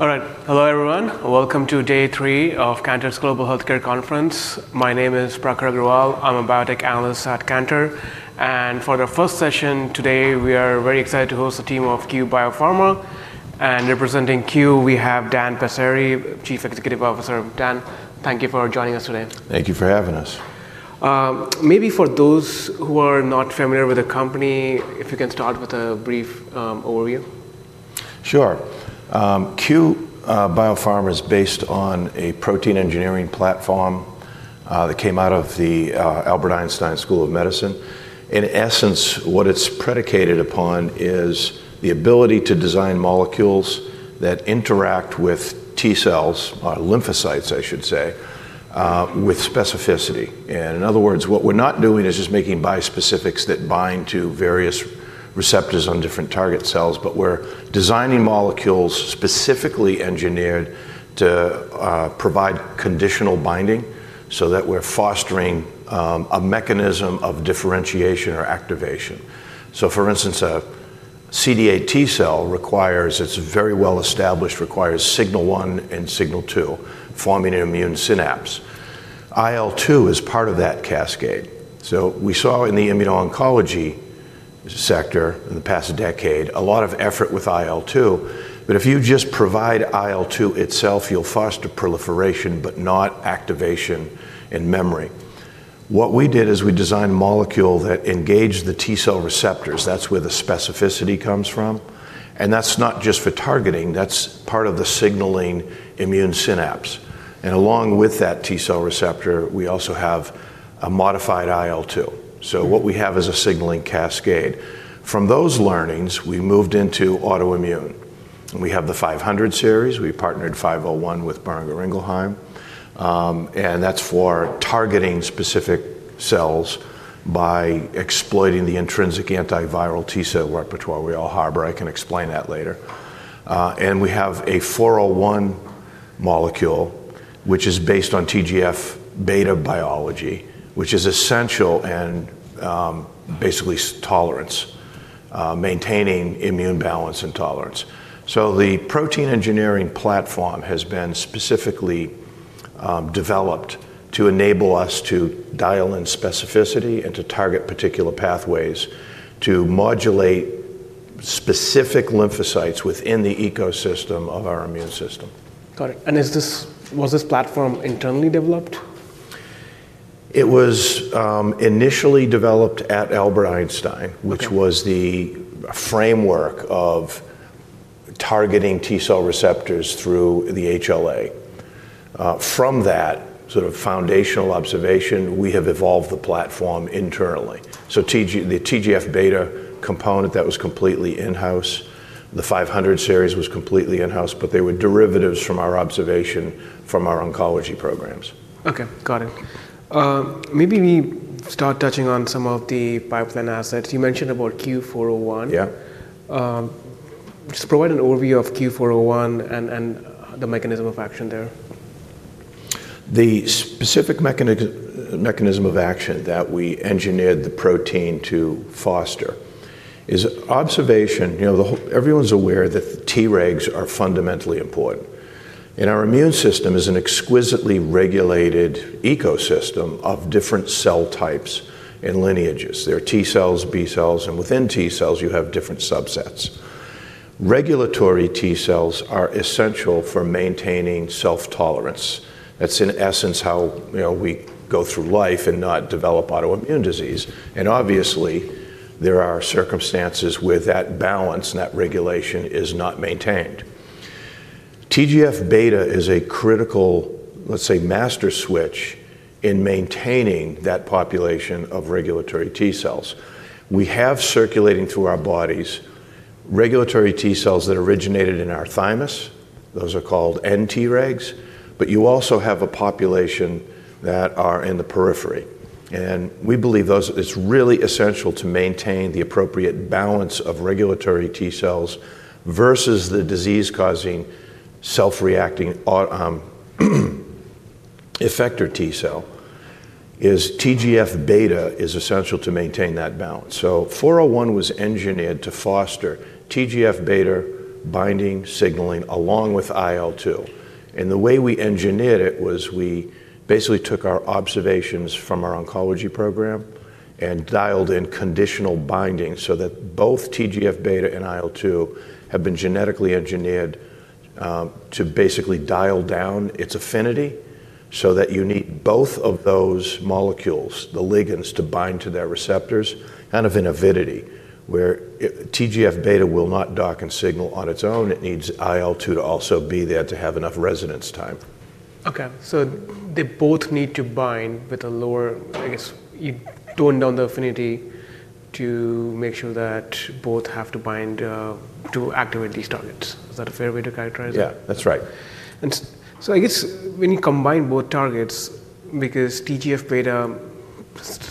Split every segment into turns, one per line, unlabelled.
All right. Hello, everyone. Welcome to day three of the Cantor Global Healthcare Conference. My name is Prakhar Agrawa. I'm a biotech analyst at Cantor. For the first session today, we are very excited to host the team of Cue Biopharma. Representing Cue, we have Dan Passeri, Chief Executive Officer. Dan, thank you for joining us today.
Thank you for having us.
Maybe for those who are not familiar with the company, if you can start with a brief overview?
Sure. Cue Biopharma is based on a protein engineering platform that came out of the Albert Einstein School of Medicine. In essence, what it's predicated upon is the ability to design molecules that interact with T cells, lymphocytes, I should say, with specificity. In other words, what we're not doing is just making bispecifics that bind to various receptors on different target cells, but we're designing molecules specifically engineered to provide conditional binding so that we're fostering a mechanism of differentiation or activation. For instance, a CD8 T cell requires, it's very well established, requires signal 1 and signal 2, forming an immune synapse. IL-2 is part of that cascade. We saw in the immuno-oncology sector in the past decade a lot of effort with IL-2. If you just provide IL-2 itself, you'll foster proliferation but not activation and memory. What we did is we designed a molecule that engaged the T cell receptors. That's where the specificity comes from. That's not just for targeting. That's part of the signaling immune synapse. Along with that T cell receptor, we also have a modified IL-2. What we have is a signaling cascade. From those learnings, we moved into autoimmune. We have the CUE-500 series. We partnered CUE-501 with Boehringer Ingelheim. That's for targeting specific cells by exploiting the intrinsic antiviral T cell repertoire we all harbor. I can explain that later. We have a CUE-401 molecule, which is based on TGF-β biology, which is essential and basically tolerance, maintaining immune balance and tolerance. The protein engineering platform has been specifically developed to enable us to dial in specificity and to target particular pathways to modulate specific lymphocytes within the ecosystem of our immune system.
Got it. Was this platform internally developed?
It was initially developed at Albert Einstein, which was the framework of targeting T cell receptors through the HLA. From that sort of foundational observation, we have evolved the platform internally. The TGF-β component, that was completely in-house. The CUE-500 series was completely in-house. They were derivatives from our observation from our oncology programs.
OK, got it. Maybe we start touching on some of the bioprotein assets. You mentioned about CUE-401.
Yeah.
Just provide an overview of CUE-401 and the mechanism of action there.
The specific mechanism of action that we engineered the protein to foster is observation. Everyone's aware that T-regs are fundamentally important. Our immune system is an exquisitely regulated ecosystem of different cell types and lineages. There are T cells, B cells, and within T cells, you have different subsets. Regulatory T cells are essential for maintaining self-tolerance. That's, in essence, how we go through life and not develop autoimmune disease. Obviously, there are circumstances where that balance and that regulation is not maintained. TGF-β is a critical, let's say, master switch in maintaining that population of regulatory T cells. We have circulating through our bodies regulatory T cells that originated in our thymus. Those are called nTregs. You also have a population that are in the periphery. We believe it's really essential to maintain the appropriate balance of regulatory T cells versus the disease-causing self-reacting effector T cell. TGF-β is essential to maintain that balance. CUE-401 was engineered to foster TGF-β binding signaling along with IL-2. The way we engineered it was we basically took our observations from our oncology program and dialed in conditional binding so that both TGF-β and IL-2 have been genetically engineered to basically dial down its affinity so that you need both of those molecules, the ligands, to bind to their receptors, kind of in avidity, where TGF-β will not dock and signal on its own. It needs IL-2 to also be there to have enough resonance time.
OK. They both need to bind with a lower, I guess, you tone down the affinity to make sure that both have to bind to activate these targets. Is that a fair way to characterize it?
Yeah, that's right.
I guess when you combine both targets, because TGF-β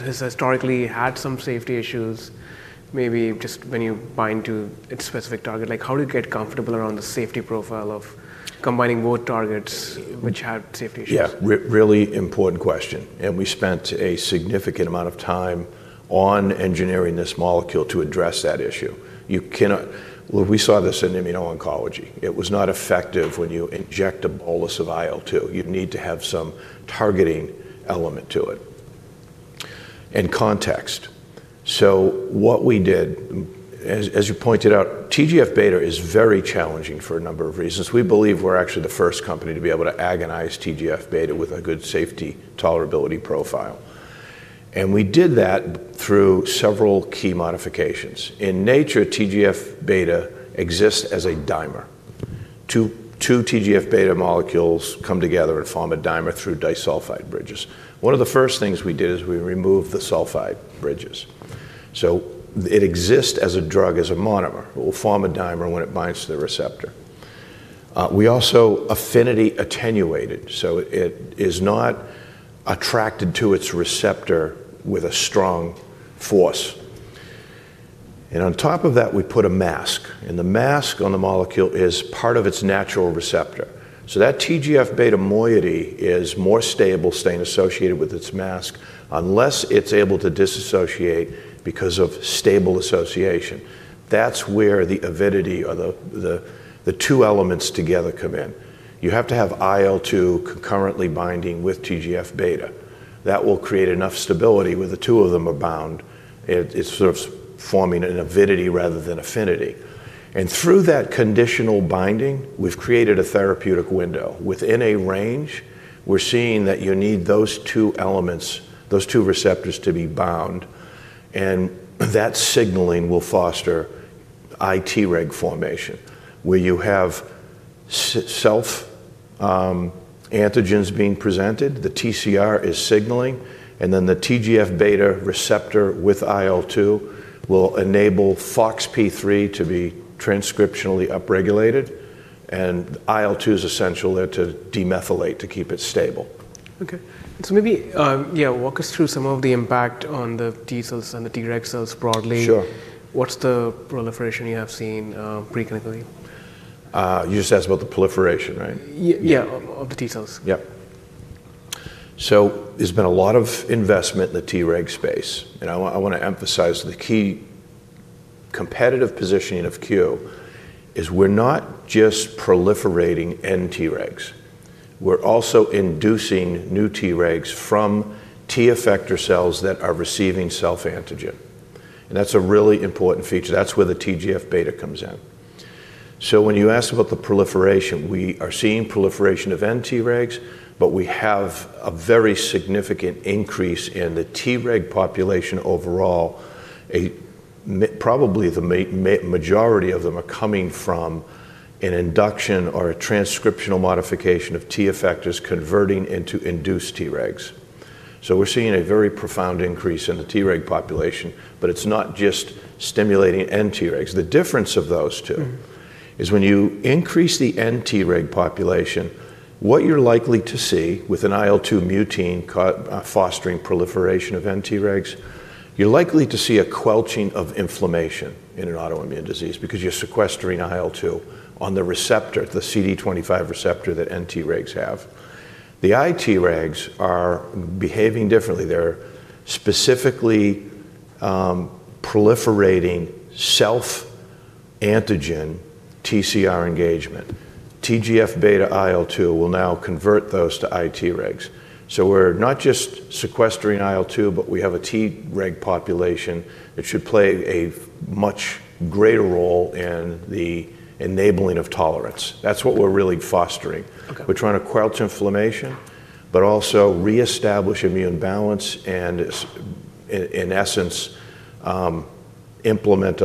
has historically had some safety issues, maybe just when you bind to its specific target, how do you get comfortable around the safety profile of combining both targets, which had safety issues?
Yeah, really important question. We spent a significant amount of time on engineering this molecule to address that issue. We saw this in immuno-oncology. It was not effective when you inject a bolus of IL-2. You need to have some targeting element to it and context. What we did, as you pointed out, TGF-β is very challenging for a number of reasons. We believe we're actually the first company to be able to agonize TGF-β with a good safety tolerability profile. We did that through several key modifications. In nature, TGF-β exists as a dimer. Two TGF-β molecules come together and form a dimer through disulfide bridges. One of the first things we did is we removed the disulfide bridges, so it exists as a drug as a monomer. It will form a dimer when it binds to the receptor. We also affinity attenuated, so it is not attracted to its receptor with a strong force. On top of that, we put a mask. The mask on the molecule is part of its natural receptor, so that TGF-β moiety is more stably associated with its mask unless it's able to dissociate because of stable association. That's where the avidity or the two elements together come in. You have to have IL-2 concurrently binding with TGF-β. That will create enough stability where the two of them are bound. It's sort of forming an avidity rather than affinity. Through that conditional binding, we've created a therapeutic window. Within a range, we're seeing that you need those two elements, those two receptors to be bound, and that signaling will foster Treg formation, where you have self-antigens being presented. The TCR is signaling, and then the TGF-β receptor with IL-2 will enable FOXP3 to be transcriptionally upregulated. IL-2 is essential there to demethylate to keep it stable.
OK. Maybe, yeah, walk us through some of the impact on the T cells and the Treg cells broadly.
Sure.
What's the proliferation you have seen preclinically?
You just asked about the proliferation, right?
Yeah, of the T cells.
Yeah. There's been a lot of investment in the Treg space. I want to emphasize the key competitive positioning of CUE is we're not just proliferating nTregs. We're also inducing new regulatory Tregs from T effector cells that are receiving self-antigen. That's a really important feature. That's where the TGF-β pathway comes in. When you asked about the proliferation, we are seeing proliferation of nTregs, but we have a very significant increase in the Treg population overall. Probably the majority of them are coming from an induction or a transcriptional modification of T effectors converting into induced regulatory Tregs. We're seeing a very profound increase in the Treg population. It's not just stimulating nTregs. The difference of those two is when you increase the nTreg population, what you're likely to see with an IL-2 mutant fostering proliferation of nTregs, you're likely to see a quelching of inflammation in an autoimmune disease because you're sequestering IL-2 on the receptor, the CD25 receptor that nTregs have. The iTregs are behaving differently. They're specifically proliferating self-antigen TCR engagement. TGF-β and IL-2 will now convert those to iTregs. We're not just sequestering IL-2, but we have a Treg population that should play a much greater role in the enabling of tolerance. That's what we're really fostering. We're trying to quelch inflammation, but also reestablish immune balance and, in essence, implement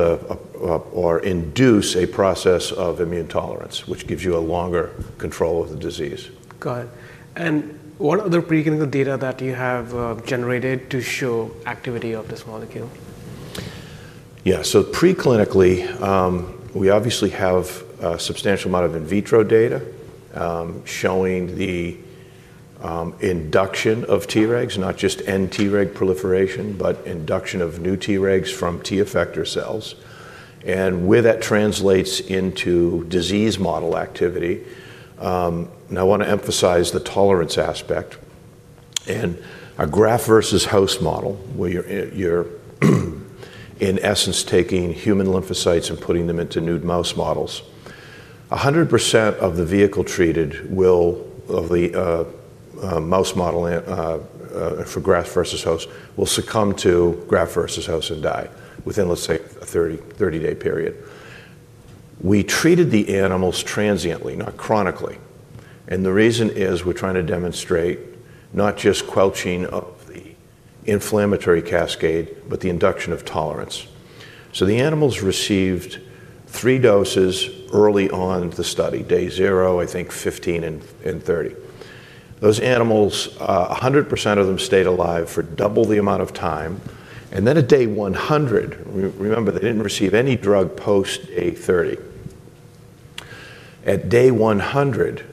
or induce a process of immune tolerance, which gives you a longer control of the disease.
Got it. What other preclinical data that you have generated to show activity of this molecule?
Yeah, so preclinically, we obviously have a substantial amount of in vitro data showing the induction of Tregs, not just nTreg proliferation, but induction of new Tregs from T effector cells. Where that translates into disease model activity, I want to emphasize the tolerance aspect. In a graft-versus-host model, where you're, in essence, taking human lymphocytes and putting them into new mouse models, 100% of the vehicle-treated will of the mouse model for graft-versus-host will succumb to graft-versus-host and die within, let's say, a 30-day period. We treated the animals transiently, not chronically. The reason is we're trying to demonstrate not just quelching of the inflammatory cascade, but the induction of tolerance. The animals received three doses early on the study, day 0, I think 15 and 30. Those animals, 100% of them stayed alive for double the amount of time. At day 100, remember, they didn't receive any drug post day 30. At day 100,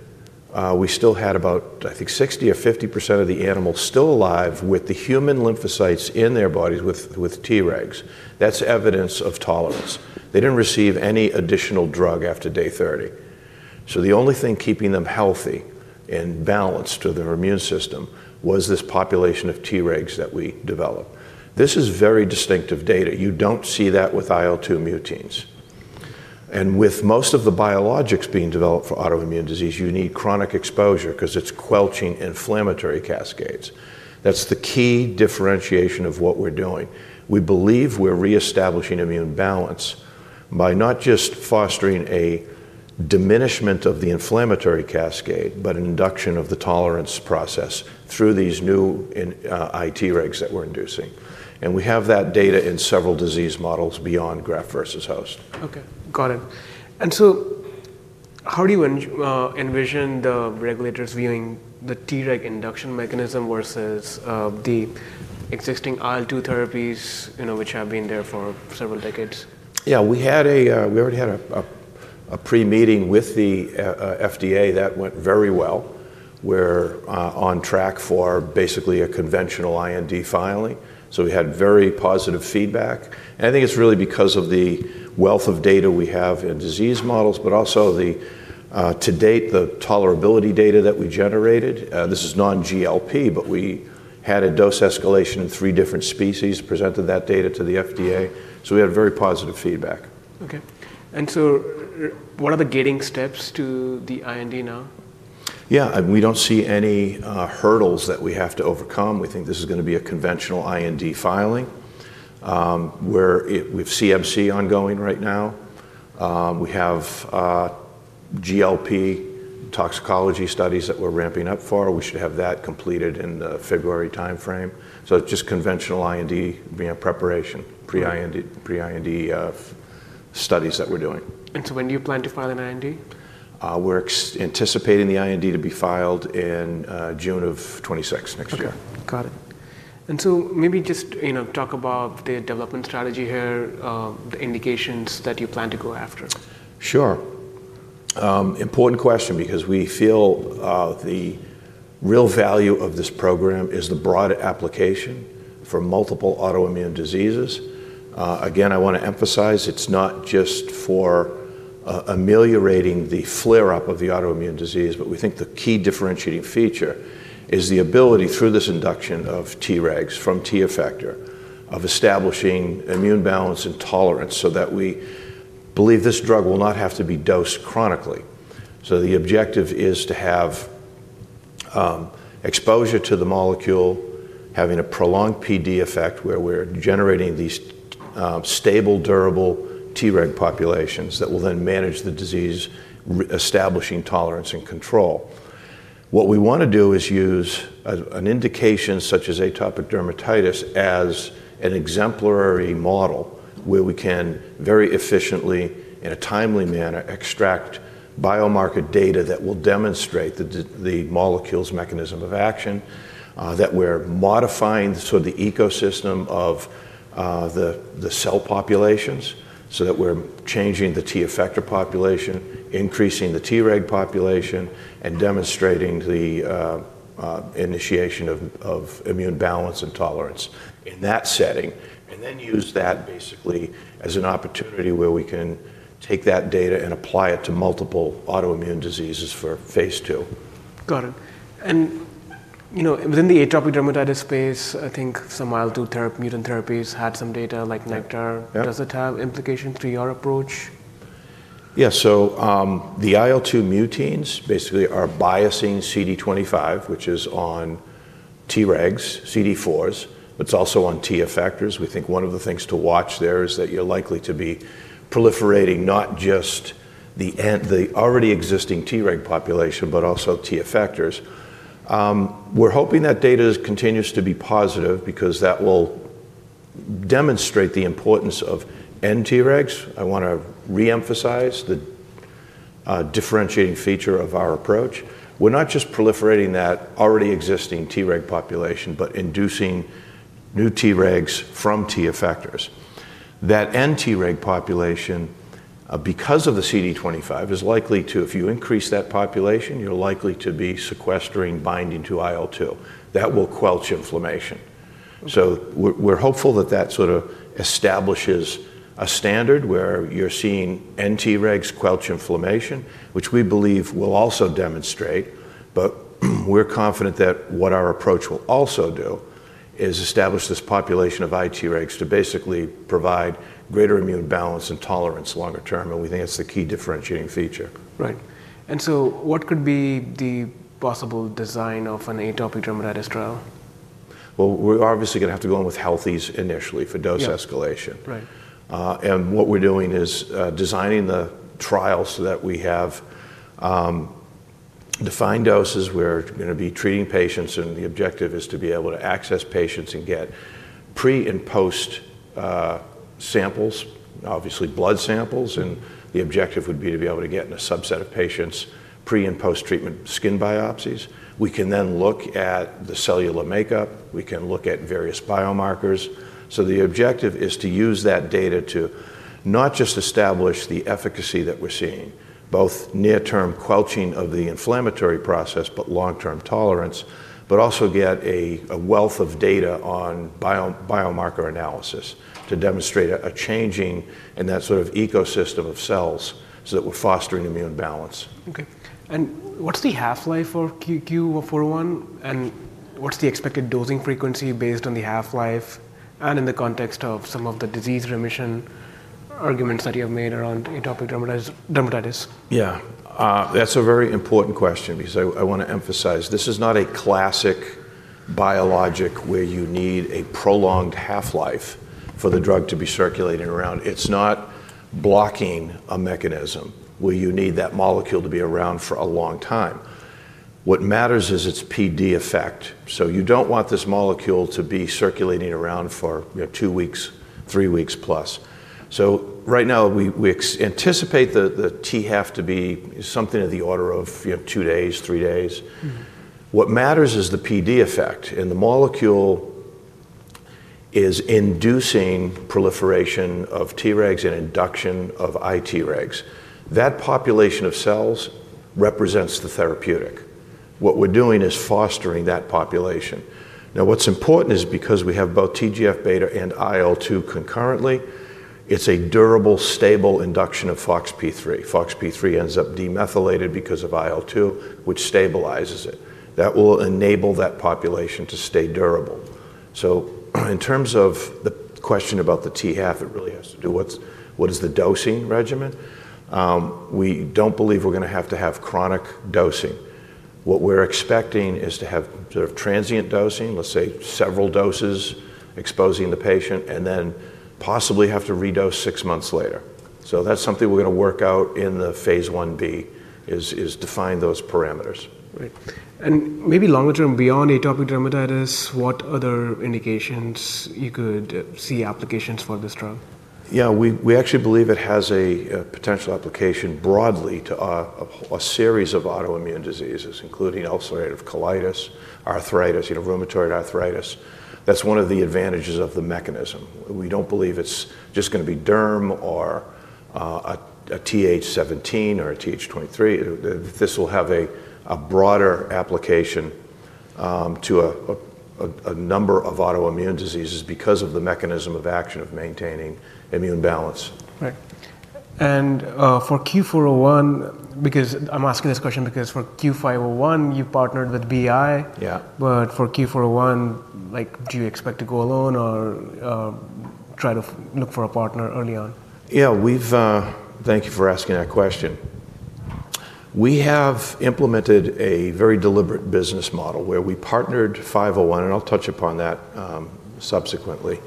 we still had about, I think, 60% or 50% of the animals still alive with the human lymphocytes in their bodies with Tregs. That's evidence of tolerance. They didn't receive any additional drug after day 30. The only thing keeping them healthy and balanced to their immune system was this population of Tregs that we developed. This is very distinctive data. You don't see that with IL-2 mutants. With most of the biologics being developed for autoimmune disease, you need chronic exposure because it's quelching inflammatory cascades. That's the key differentiation of what we're doing. We believe we're reestablishing immune balance by not just fostering a diminishment of the inflammatory cascade, but an induction of the tolerance process through these new iTregs that we're inducing. We have that data in several disease models beyond graft-versus-host.
OK. Got it. How do you envision the regulators viewing the Treg induction mechanism versus the existing IL-2 therapies, which have been there for several decades?
Yeah, we already had a pre-meeting with the FDA. That went very well. We're on track for basically a conventional IND filing. We had very positive feedback. I think it's really because of the wealth of data we have in disease models, but also to date, the tolerability data that we generated. This is non-GLP, but we had a dose escalation in three different species, presented that data to the FDA. We had very positive feedback.
OK. What are the gating steps to the IND now?
Yeah, we don't see any hurdles that we have to overcome. We think this is going to be a conventional IND filing with CMC ongoing right now. We have GLP toxicology studies that we're ramping up for. We should have that completed in the February time frame. It's just conventional IND preparation, pre-IND studies that we're doing.
When do you plan to file an IND?
We're anticipating the IND filing to be in June of 2026 next year.
OK. Got it. Maybe just talk about the development strategy here, the indications that you plan to go after.
Sure. Important question because we feel the real value of this program is the broader application for multiple autoimmune diseases. Again, I want to emphasize it's not just for ameliorating the flare-up of the autoimmune disease, but we think the key differentiating feature is the ability through this induction of Tregs from T effector of establishing immune balance and tolerance so that we believe this drug will not have to be dosed chronically. The objective is to have exposure to the molecule, having a prolonged PD effect where we're generating these stable, durable Treg populations that will then manage the disease, establishing tolerance and control. What we want to do is use an indication such as atopic dermatitis as an exemplary model where we can very efficiently, in a timely manner, extract biomarker data that will demonstrate the molecule's mechanism of action, that we're modifying the ecosystem of the cell populations so that we're changing the T effector population, increasing the Treg population, and demonstrating the initiation of immune balance and tolerance in that setting, and then use that basically as an opportunity where we can take that data and apply it to multiple autoimmune diseases for phase II.
Got it. You know within the atopic dermatitis space, I think some IL-2 mutant therapies had some data, like Nektar. Does it have implication for your approach?
Yeah, so the IL-2 mutants basically are biasing CD25, which is on Tregs, CD4s. It's also on T effectors. We think one of the things to watch there is that you're likely to be proliferating not just the already existing Treg population, but also T effectors. We're hoping that data continues to be positive because that will demonstrate the importance of nTregs. I want to reemphasize the differentiating feature of our approach. We're not just proliferating that already existing Treg population, but inducing new Tregs from T effectors. That nTreg population, because of the CD25, is likely to, if you increase that population, you're likely to be sequestering binding to IL-2. That will quelch inflammation. We're hopeful that that sort of establishes a standard where you're seeing nTregs quelch inflammation, which we believe will also demonstrate. We're confident that what our approach will also do is establish this population of ITregs to basically provide greater immune balance and tolerance longer term. We think that's the key differentiating feature.
Right. What could be the possible design of an atopic dermatitis trial?
We're obviously going to have to go in with healthies initially for dose escalation.
Right.
What we're doing is designing the trial so that we have defined doses. We're going to be treating patients. The objective is to be able to access patients and get pre and post samples, obviously blood samples. The objective would be to be able to get in a subset of patients pre and post-treatment skin biopsies. We can then look at the cellular makeup. We can look at various biomarkers. The objective is to use that data to not just establish the efficacy that we're seeing, both near-term quelching of the inflammatory process, but long-term tolerance, but also get a wealth of data on biomarker analysis to demonstrate a changing in that sort of ecosystem of cells so that we're fostering immune balance.
OK. What's the half-life for CUE-401? What's the expected dosing frequency based on the half-life and in the context of some of the disease remission arguments that you have made around atopic dermatitis?
Yeah, that's a very important question because I want to emphasize this is not a classic biologic where you need a prolonged half-life for the drug to be circulating around. It's not blocking a mechanism where you need that molecule to be around for a long time. What matters is its PD effect. You don't want this molecule to be circulating around for two weeks, three+ weeks. Right now, we anticipate the T half to be something of the order of two days, three days. What matters is the PD effect. The molecule is inducing proliferation of Tregs and induction of induced iTregs. That population of cells represents the therapeutic. What we're doing is fostering that population. What's important is because we have both TGF-β and IL-2 concurrently, it's a durable, stable induction of FOXP3. FOXP3 ends up demethylated because of IL-2, which stabilizes it. That will enable that population to stay durable. In terms of the question about the T half, it really has to do with what is the dosing regimen. We don't believe we're going to have to have chronic dosing. We're expecting to have transient dosing, let's say several doses exposing the patient, and then possibly have to re-dose six months later. That's something we're going to work out in the phase I-B is define those parameters.
Right. Maybe longer term, beyond atopic dermatitis, what other indications you could see applications for this drug?
Yeah, we actually believe it has a potential application broadly to a series of autoimmune diseases, including ulcerative colitis, arthritis, rheumatoid arthritis. That's one of the advantages of the mechanism. We don't believe it's just going to be derm or a Th17 or a Th23. This will have a broader application to a number of autoimmune diseases because of the mechanism of action of maintaining immune balance.
Right. For CUE-401, I'm asking this question because for CUE-501, you partnered with BI.
Yeah.
For CUE-401, do you expect to go alone or try to look for a partner early on?
Thank you for asking that question. We have implemented a very deliberate business model where we partnered CUE-501, and I'll touch upon that subsequently.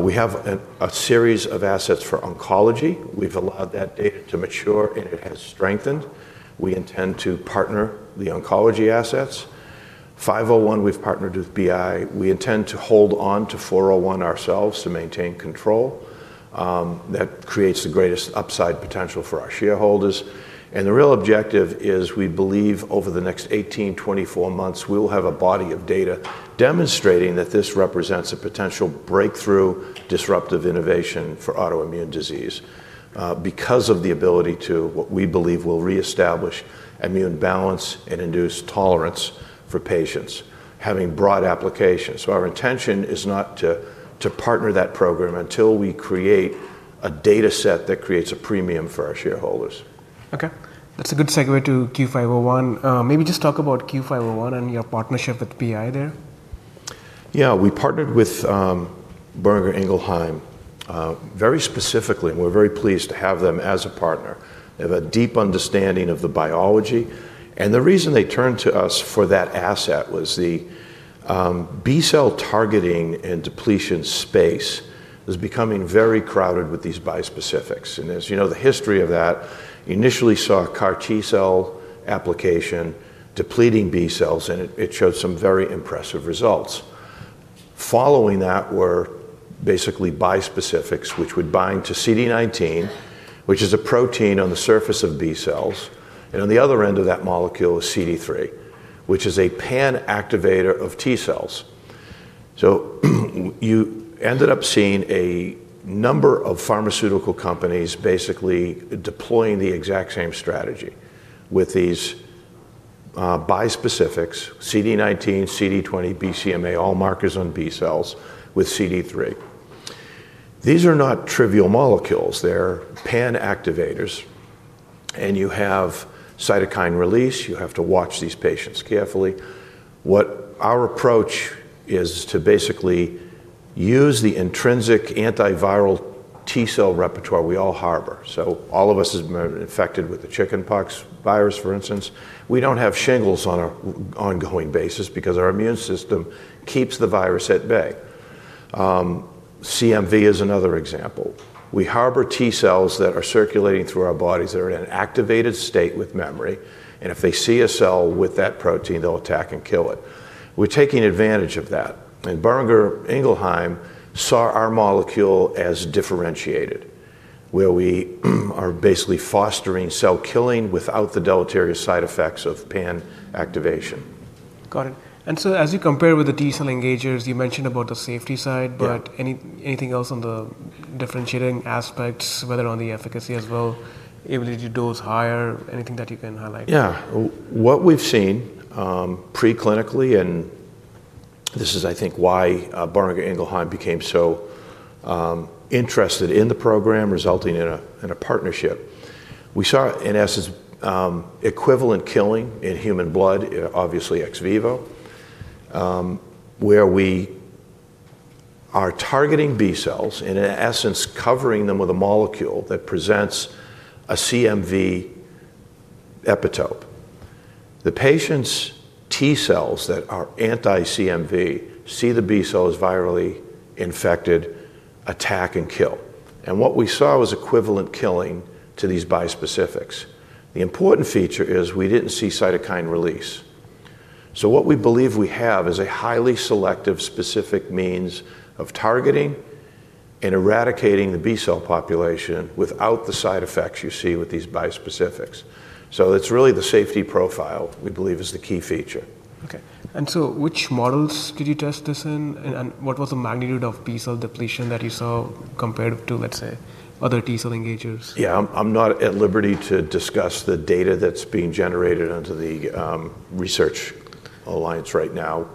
We have a series of assets for oncology. We've allowed that data to mature, and it has strengthened. We intend to partner the oncology assets. CUE-501, we've partnered with BI. We intend to hold on to CUE-401 ourselves to maintain control. That creates the greatest upside potential for our shareholders. The real objective is we believe over the next 18-24 months, we will have a body of data demonstrating that this represents a potential breakthrough disruptive innovation for autoimmune disease because of the ability to, what we believe will, reestablish immune balance and induce tolerance for patients, having broad applications. Our intention is not to partner that program until we create a data set that creates a premium for our shareholders.
OK. That's a good segue to CUE-501. Maybe just talk about CUE-501 and your partnership with BI there.
Yeah, we partnered with Boehringer Ingelheim very specifically. We're very pleased to have them as a partner. They have a deep understanding of the biology. The reason they turned to us for that asset was the B cell targeting and depletion space was becoming very crowded with these bispecifics. As you know the history of that, you initially saw CAR T cell application depleting B cells. It showed some very impressive results. Following that were basically bispecifics, which would bind to CD19, which is a protein on the surface of B cells. On the other end of that molecule is CD3, which is a pan-activator of T cells. You ended up seeing a number of pharmaceutical companies basically deploying the exact same strategy with these bispecifics, CD19, CD20, BCMA, all markers on B cells with CD3. These are not trivial molecules. They're pan-activators, and you have cytokine release. You have to watch these patients carefully. What our approach is to basically use the intrinsic antiviral T cell repertoire we all harbor. All of us have been infected with the chickenpox virus, for instance. We don't have shingles on an ongoing basis because our immune system keeps the virus at bay. CMV is another example. We harbor T cells that are circulating through our bodies that are in an activated state with memory, and if they see a cell with that protein, they'll attack and kill it. We're taking advantage of that. Boehringer Ingelheim saw our molecule as differentiated, where we are basically fostering cell killing without the deleterious side effects of pan-activation.
Got it. As you compare with the T cell engagers, you mentioned the safety side, but anything else on the differentiating aspects, whether on the efficacy as well, ability to dose higher, anything that you can highlight?
Yeah, what we've seen preclinically, and this is, I think, why Boehringer Ingelheim became so interested in the program, resulting in a partnership. We saw, in essence, equivalent killing in human blood, obviously ex vivo, where we are targeting B cells and, in essence, covering them with a molecule that presents a CMV epitope. The patients' T cells that are anti-CMV see the B cells virally infected, attack, and kill. What we saw was equivalent killing to these bispecifics. The important feature is we didn't see cytokine release. We believe we have a highly selective, specific means of targeting and eradicating the B cell population without the side effects you see with these bispecifics. It's really the safety profile we believe is the key feature.
OK. Which models did you test this in? What was the magnitude of B cell depletion that you saw compared to, let's say, other T cell engagers?
Yeah, I'm not at liberty to discuss the data that's being generated under the Research Alliance right now.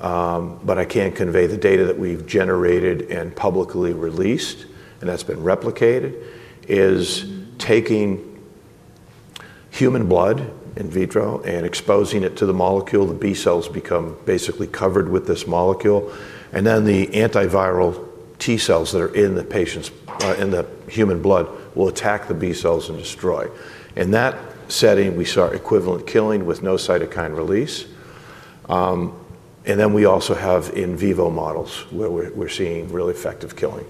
I can convey the data that we've generated and publicly released, and that's been replicated, is taking human blood in vitro and exposing it to the molecule. The B cells become basically covered with this molecule. The antiviral T cells that are in the human blood will attack the B cells and destroy. In that setting, we saw equivalent killing with no cytokine release. We also have in vivo models where we're seeing really effective killing.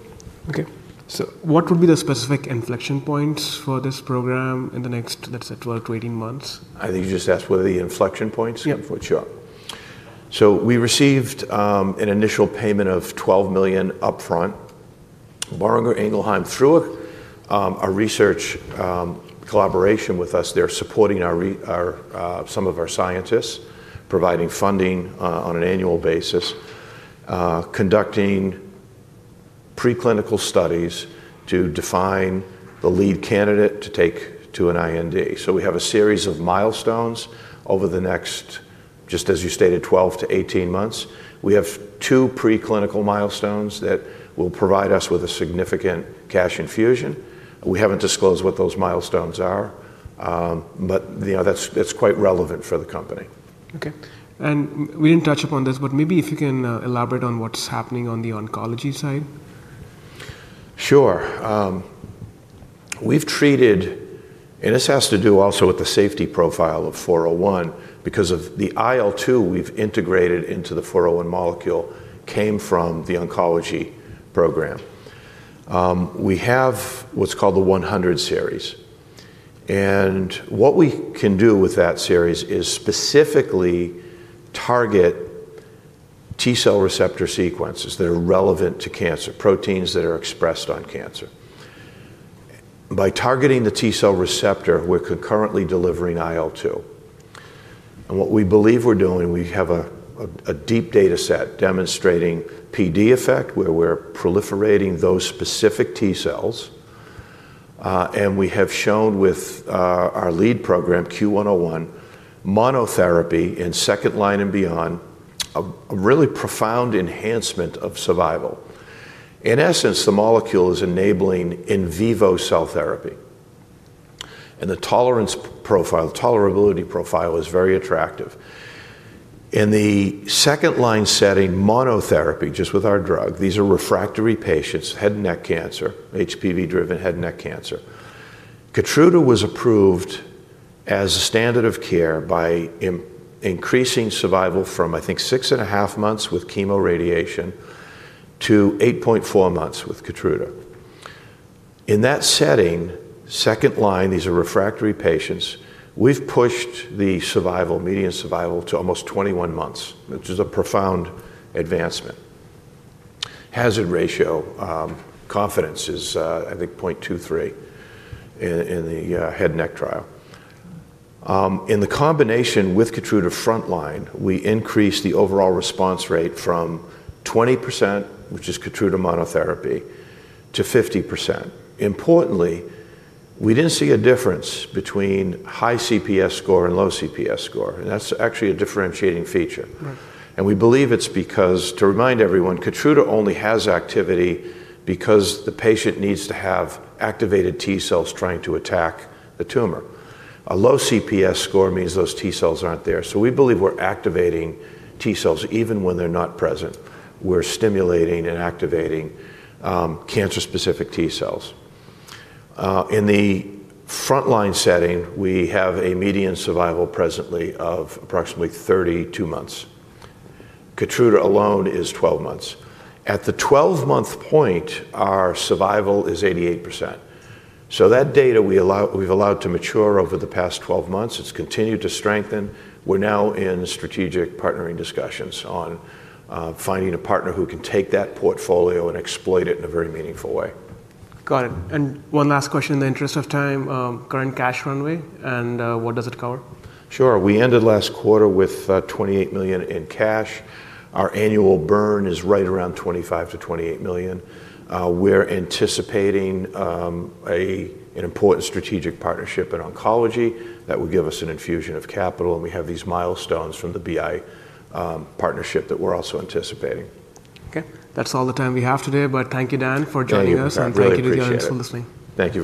What would be the specific inflection points for this program in the next, let's say, 12-18 months?
I think you just asked what are the inflection points?
Yeah.
For sure. We received an initial payment of $12 million upfront. Boehringer Ingelheim, through a research collaboration with us, is supporting some of our scientists, providing funding on an annual basis, conducting preclinical studies to define the lead candidate to take to an IND. We have a series of milestones over the next, just as you stated, 12 to 18 months. We have two preclinical milestones that will provide us with a significant cash infusion. We haven't disclosed what those milestones are, but that's quite relevant for the company.
OK. We didn't touch upon this, but maybe if you can elaborate on what's happening on the oncology side.
Sure. We've treated, and this has to do also with the safety profile of CUE-401, because the IL-2 we've integrated into the CUE-401 molecule came from the oncology program. We have what's called the CUE-100 series. What we can do with that series is specifically target T cell receptor sequences that are relevant to cancer, proteins that are expressed on cancer. By targeting the T cell receptor, we're concurrently delivering IL-2. What we believe we're doing, we have a deep data set demonstrating PD effect, where we're proliferating those specific T cells. We have shown with our lead program, CUE-101, monotherapy in second line and beyond, a really profound enhancement of survival. In essence, the molecule is enabling in vivo cell therapy. The tolerance profile, tolerability profile, is very attractive. In the second line setting, monotherapy, just with our drug, these are refractory patients, head and neck cancer, HPV-driven head and neck cancer. Keytruda was approved as a standard of care by increasing survival from, I think, 6.5 months with chemoradiation to 8.4 months with Keytruda. In that setting, second line, these are refractory patients, we've pushed the survival, median survival, to almost 21 months, which is a profound advancement. Hazard ratio confidence is, I think, 0.23 in the head and neck trial. In the combination with Keytruda frontline, we increased the overall response rate from 20%, which is Keytruda monotherapy, to 50%. Importantly, we didn't see a difference between high CPS score and low CPS score. That's actually a differentiating feature. We believe it's because, to remind everyone, Keytruda only has activity because the patient needs to have activated T cells trying to attack the tumor. A low CPS score means those T cells aren't there. We believe we're activating T cells even when they're not present. We're stimulating and activating cancer-specific T cells. In the frontline setting, we have a median survival presently of approximately 32 months. Keytruda alone is 12 months. At the 12-month point, our survival is 88%. That data we've allowed to mature over the past 12 months. It's continued to strengthen. We're now in strategic partnering discussions on finding a partner who can take that portfolio and exploit it in a very meaningful way.
Got it. One last question in the interest of time, current cash runway, and what does it cover?
Sure. We ended last quarter with $28 million in cash. Our annual burn is right around $25 million-$28 million. We're anticipating an important strategic partnership in oncology that will give us an infusion of capital. We have these milestones from the BI partnership that we're also anticipating.
OK. That's all the time we have today. Thank you, Dan, for joining us.
Thank you, (Anish).
Thank you to the audience for listening.
Thank you.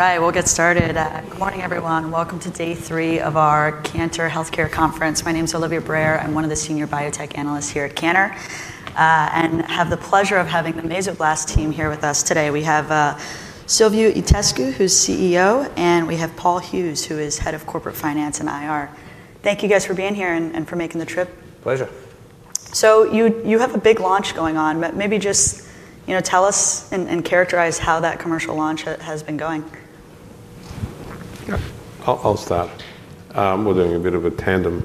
All right, we'll get started. Good morning, everyone. Welcome to day three of our Cantor Global Healthcare Conference. My name is Olivia Brayer. I'm one of the senior biotech analysts here at Cantor and have the pleasure of having the Mesoblast team here with us today. We have Silviu Itescu, who's CEO, and we have Paul Hughes, who is Head of Corporate Finance and IR. Thank you guys for being here and for making the trip.
Pleasure.
You have a big launch going on. Maybe just, you know, tell us and characterize how that commercial launch has been going.
Yeah, I'll start. We're doing a bit of a tandem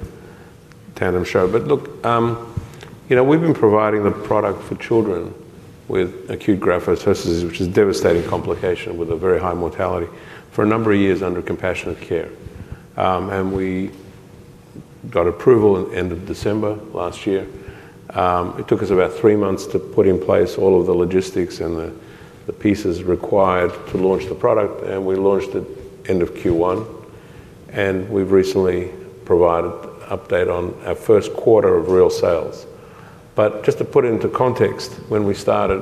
show. Look, we've been providing the product for children with acute graft-versus-host disease, which is a devastating complication with a very high mortality, for a number of years under compassionate care. We got approval at the end of December last year. It took us about three months to put in place all of the logistics and the pieces required to launch the product. We launched it end of Q1. We've recently provided an update on our first quarter of real sales. Just to put it into context, when we started,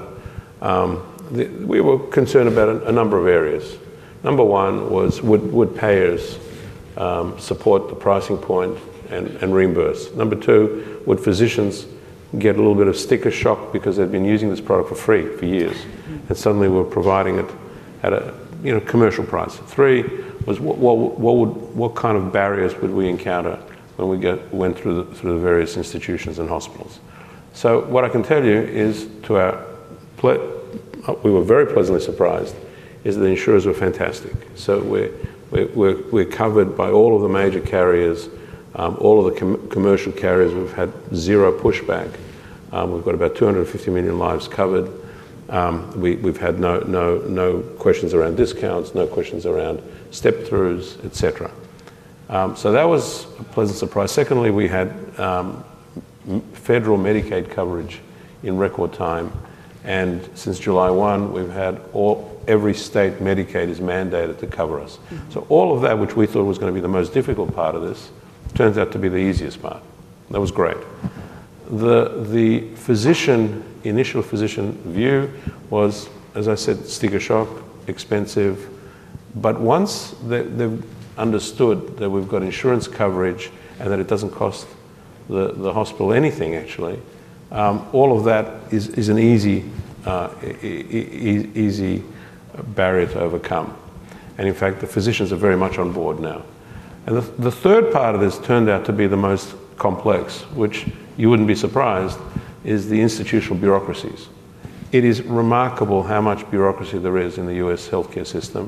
we were concerned about a number of areas. Number one was, would payers support the pricing point and reimburse? Number two, would physicians get a little bit of sticker shock because they've been using this product for free for years and suddenly we're providing it at a commercial price? Three was, what kind of barriers would we encounter when we went through the various institutions and hospitals? What I can tell you is, to our pleasure, we were very pleasantly surprised, is that the insurers were fantastic. We're covered by all of the major carriers, all of the commercial carriers. We've had zero pushback. We've got about 250 million lives covered. We've had no questions around discounts, no questions around step-throughs, etc. That was a pleasant surprise. We had federal Medicaid coverage in record time. Since July 1, we've had every state Medicaid is mandated to cover us. All of that, which we thought was going to be the most difficult part of this, turns out to be the easiest part. That was great. The initial physician view was, as I said, sticker shock, expensive. Once they understood that we've got insurance coverage and that it doesn't cost the hospital anything, actually, all of that is an easy barrier to overcome. In fact, the physicians are very much on board now. The third part of this turned out to be the most complex, which you wouldn't be surprised, is the institutional bureaucracies. It is remarkable how much bureaucracy there is in the U.S. healthcare system.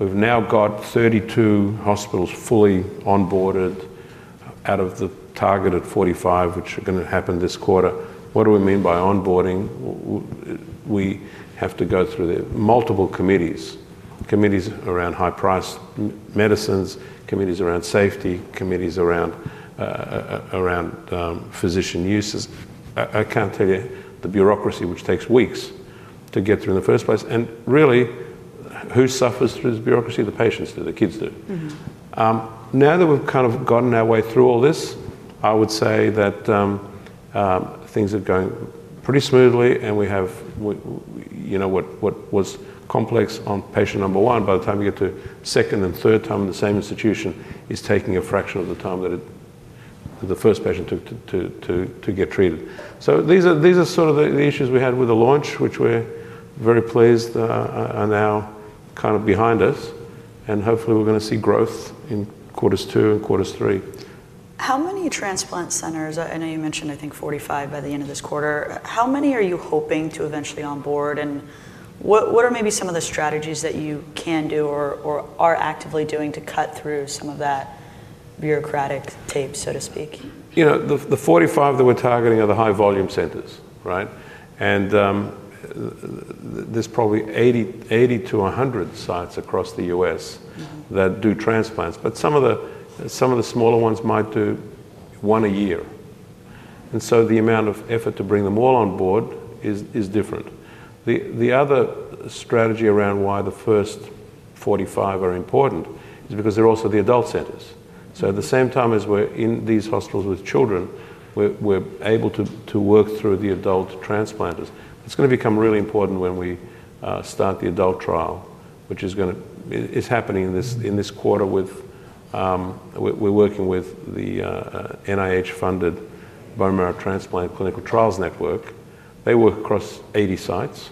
We've now got 32 hospitals fully onboarded out of the targeted 45, which are going to happen this quarter. What do we mean by onboarding? We have to go through the multiple committees, committees around high-priced medicines, committees around safety, committees around physician uses. I can't tell you the bureaucracy, which takes weeks to get through in the first place. Really, who suffers through this bureaucracy? The patients do. The kids do. Now that we've kind of gotten our way through all this, I would say that things are going pretty smoothly. What was complex on patient number one, by the time we get to second and third time in the same institution, is taking a fraction of the time that the first patient took to get treated. These are sort of the issues we had with the launch, which we're very pleased are now kind of behind us. Hopefully, we're going to see growth in quarters two and three.
How many transplant centers? I know you mentioned, I think, 45 by the end of this quarter. How many are you hoping to eventually onboard? What are maybe some of the strategies that you can do or are actively doing to cut through some of that bureaucratic tape, so to speak?
You know, the 45 that we're targeting are the high-volume centers, right? There's probably 80-100 sites across the U.S. that do transplants. Some of the smaller ones might do one a year, and the amount of effort to bring them all on board is different. The other strategy around why the first 45 are important is because they're also the adult centers. At the same time as we're in these hospitals with children, we're able to work through the adult transplants. It's going to become really important when we start the adult trial, which is happening in this quarter. We're working with the NIH-funded Bone Marrow Transplant Clinical Trials Network. They work across 80 sites.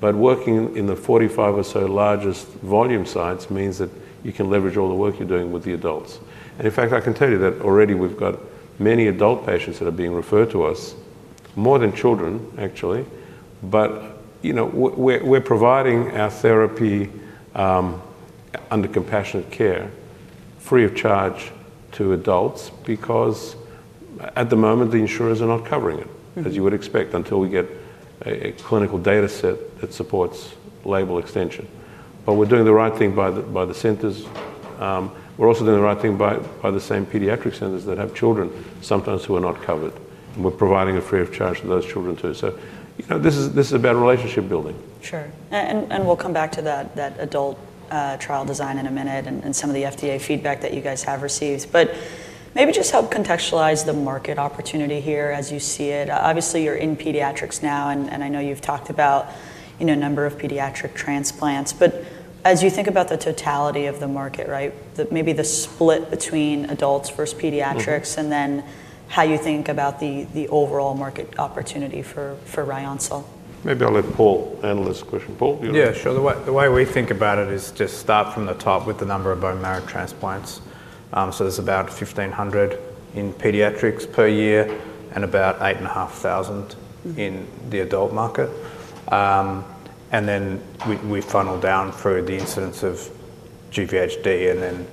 Working in the 45 or so largest volume sites means that you can leverage all the work you're doing with the adults. In fact, I can tell you that already we've got many adult patients that are being referred to us, more than children, actually. We're providing our therapy under compassionate care, free of charge, to adults because at the moment, the insurers are not covering it, as you would expect, until we get a clinical data set that supports label extension. We're doing the right thing by the centers. We're also doing the right thing by the same pediatric centers that have children sometimes who are not covered, and we're providing it free of charge to those children too. This is about relationship building.
Sure. We'll come back to that adult trial design in a minute and some of the FDA feedback that you guys have received. Maybe just help contextualize the market opportunity here as you see it. Obviously, you're in pediatrics now. I know you've talked about a number of pediatric transplants. As you think about the totality of the market, right, maybe the split between adults versus pediatrics, and then how you think about the overall market opportunity for Ryoncil?
Maybe I'll let Paul answer this question. Paul?
Yeah, sure. The way we think about it is just start from the top with the number of bone marrow transplants. There's about 1,500 in pediatrics per year and about 8,500 in the adult market. We funnel down through the incidence of GvHD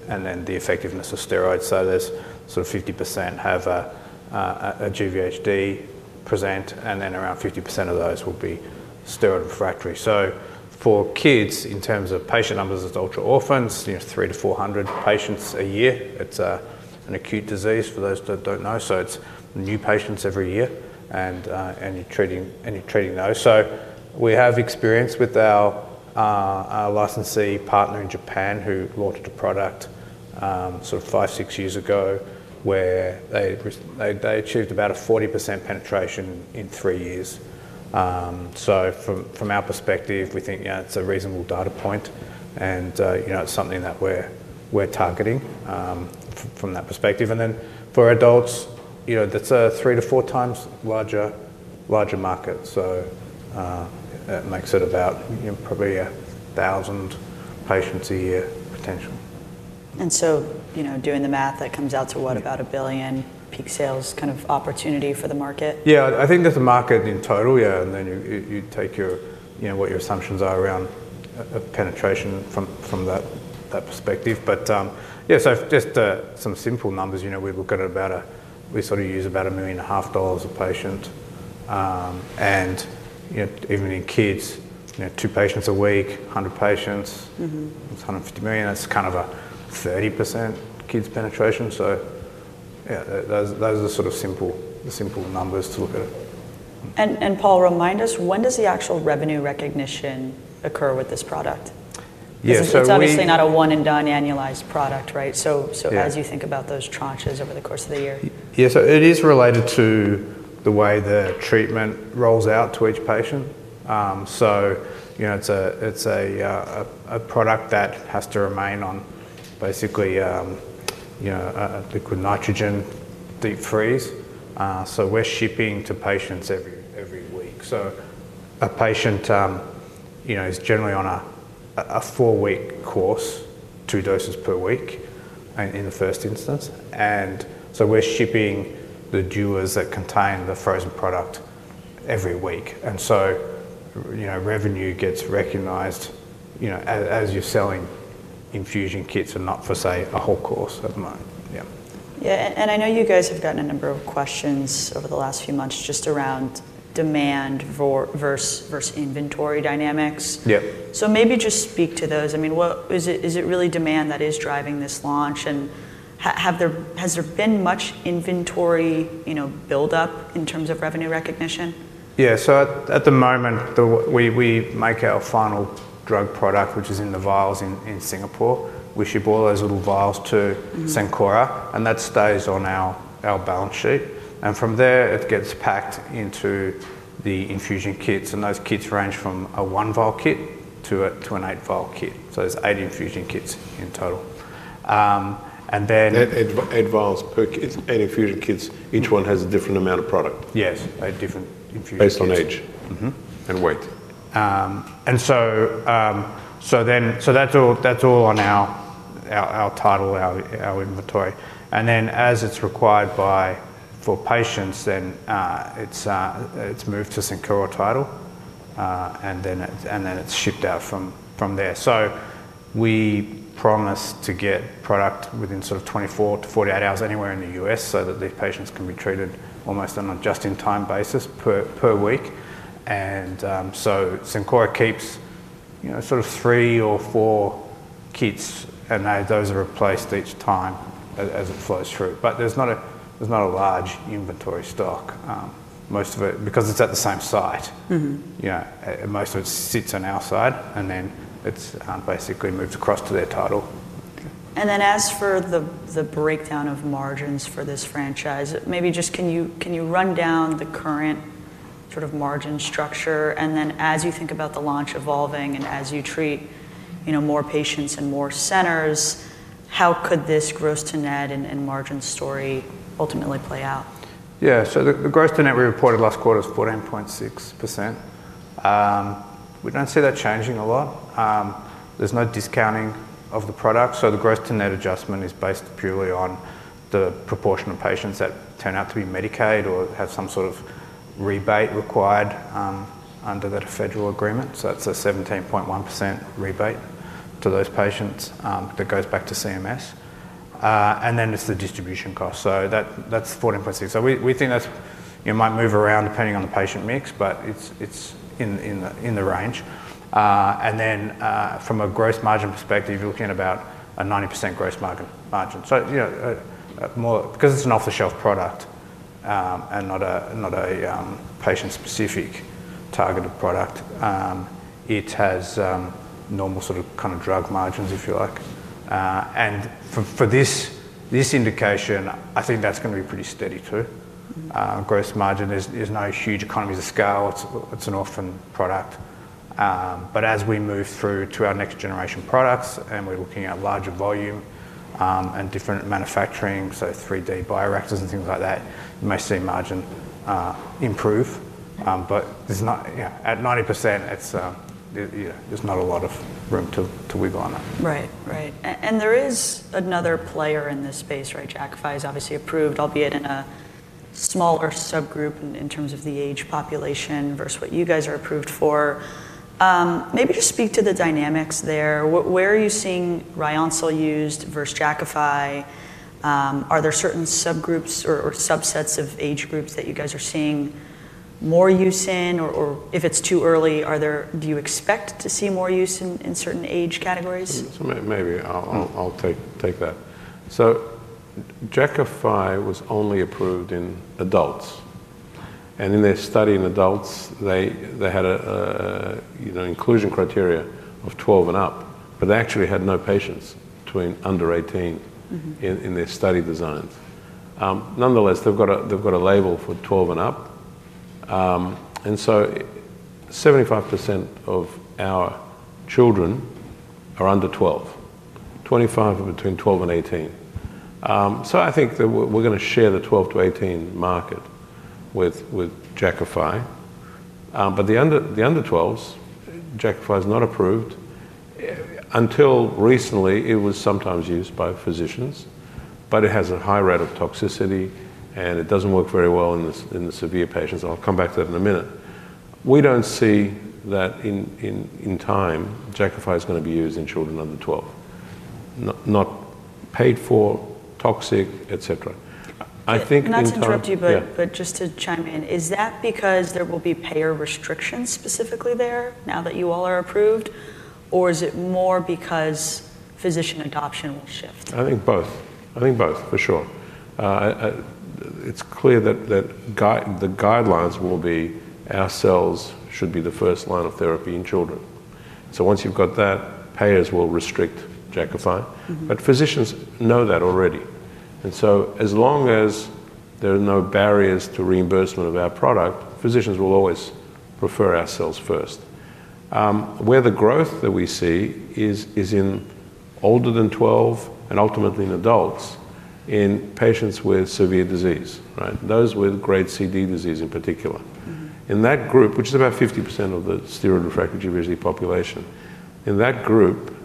and then the effectiveness of steroids. Sort of 50% have a GvHD present, and then around 50% of those will be steroid refractory. For kids, in terms of patient numbers, adults or orphans, you know, 300-400 patients a year. It's an acute disease for those that don't know. It's new patients every year, and you're treating those. We have experience with our licensee partner in Japan, who launched a product five, six years ago, where they achieved about a 40% penetration in three years. From our perspective, we think it's a reasonable data point, and it's something that we're targeting from that perspective. For adults, that's a 3x-4x larger market, which makes it about probably 1,000 patients a year potential.
You know, doing the math, that comes out to what, about $1 billion peak sales kind of opportunity for the market?
Yeah, I think that's a market in total, yeah. You take your, you know, what your assumptions are around a penetration from that perspective. Just some simple numbers, you know, we look at about $1.5 million a patient. You know, even in kids, you know, two patients a week, 100 patients, that's $150 million. That's kind of a 30% kids penetration. Those are sort of simple numbers to look at it.
Paul, remind us, when does the actual revenue recognition occur with this product? Yeah, it's obviously not a one-and-done annualized product, right? As you think about those tranches over the course of the year.
Yeah, it is related to the way the treatment rolls out to each patient. You know, it's a product that has to remain on basically, you know, I think we're nitrogen deep freeze. We're shipping to patients every week. A patient is generally on a four-week course, two doses per week in the first instance. We're shipping the duos that contain the frozen product every week. Revenue gets recognized as you're selling infusion kits and not for, say, a whole course at a month.
Yeah. I know you guys have gotten a number of questions over the last few months just around demand versus inventory dynamics. Maybe just speak to those. I mean, what is it? Is it really demand that is driving this launch? Has there been much inventory buildup in terms of revenue recognition?
Yeah, at the moment, we make our final drug product, which is in the vials in Singapore. We ship all those little vials to Sanquara, and that stays on our balance sheet. From there, it gets packed into the infusion kits. Those kits range from a one-vial kit to an eight-vial kit. There's eight infusion kits in total. Then.
Eight vials per kit, eight infusion kits, each one has a different amount of product.
Yes, a different infusion kit.
Based on age and weight.
That's all on our title, our inventory. As it's required by patients, then it's moved to (Sanquara title), and then it's shipped out from there. We promise to get product within 24 hours-48 hours anywhere in the U.S. so that these patients can be treated almost on a just-in-time basis per week. (Sanquara) keeps, you know, sort of three or four kits, and those are replaced each time as it flows through. There's not a large inventory stock. Most of it, because it's at the same site, yeah, most of it sits on our side, and then it's basically moved across to their title.
As for the breakdown of margins for this franchise, maybe just can you run down the current sort of margin structure? As you think about the launch evolving and as you treat more patients and more centers, how could this gross to net and margin story ultimately play out?
Yeah, so the gross to net we reported last quarter is 14.6%. We don't see that changing a lot. There's no discounting of the product, so the gross to net adjustment is based purely on the proportion of patients that turn out to be Medicaid or have some sort of rebate required under that federal agreement. That's a 17.1% rebate to those patients that goes back to CMS. Then it's the distribution cost, so that's 14.6%. We think that might move around depending on the patient mix, but it's in the range. From a gross margin perspective, you're looking at about a 90% gross margin. Because it's an off-the-shelf product and not a patient-specific targeted product, it has normal sort of kind of drug margins, if you like. For this indication, I think that's going to be pretty steady too. Gross margin is no huge economies of scale. It's an orphan product. As we move through to our next-generation products and we're looking at larger volume and different manufacturing, so 3D bioreactors and things like that, you may see margin improve. At 90%, there's not a lot of room to wiggle on that.
Right, right. There is another player in this space, right? Jakafi is obviously approved, albeit in a smaller subgroup in terms of the age population versus what you guys are approved for. Maybe just speak to the dynamics there. Where are you seeing Ryoncil used versus Jakafi? Are there certain subgroups or subsets of age groups that you guys are seeing more use in? If it's too early, do you expect to see more use in certain age categories?
Jakafi was only approved in adults. In their study in adults, they had an inclusion criteria of 12 and up, but they actually had no patients under 18 in their study designs. Nonetheless, they've got a label for 12 and up. 75% of our children are under 12. 25% are between 12 and 18. I think that we're going to share the 12-18 market with Jakafi. For the under 12s, Jakafi is not approved. Until recently, it was sometimes used by physicians, but it has a high rate of toxicity and it doesn't work very well in the severe patients. I'll come back to that in a minute. We don't see that in time Jakafi is going to be used in children under 12. Not paid for, toxic, et cetera.
I'm not to interrupt you, but just to chime in, is that because there will be payer restrictions specifically there now that you all are approved, or is it more because physician adoption will shift?
I think both. I think both, for sure. It's clear that the guidelines will be our cells should be the first line of therapy in children. Once you've got that, payers will restrict Jakafi. Physicians know that already. As long as there are no barriers to reimbursement of our product, physicians will always prefer our cells first. Where the growth that we see is in older than 12 and ultimately in adults, in patients with severe disease, right? Those with grade CD disease in particular. In that group, which is about 50% of the steroid-refractory GvHD population, in that group,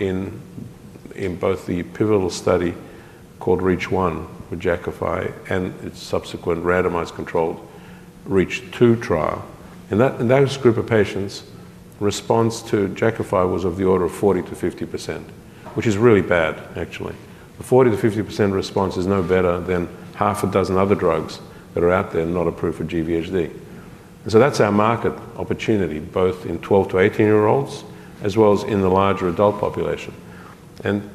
in both the pivotal study called REACH1 with Jakafi and its subsequent randomized controlled REACH2 trial, in that group of patients, response to Jakafi was of the order of 40%-50%, which is really bad, actually. The 40%-50% response is no better than half a dozen other drugs that are out there not approved for GvHD. That's our market opportunity, both in 12-18-year-olds, as well as in the larger adult population.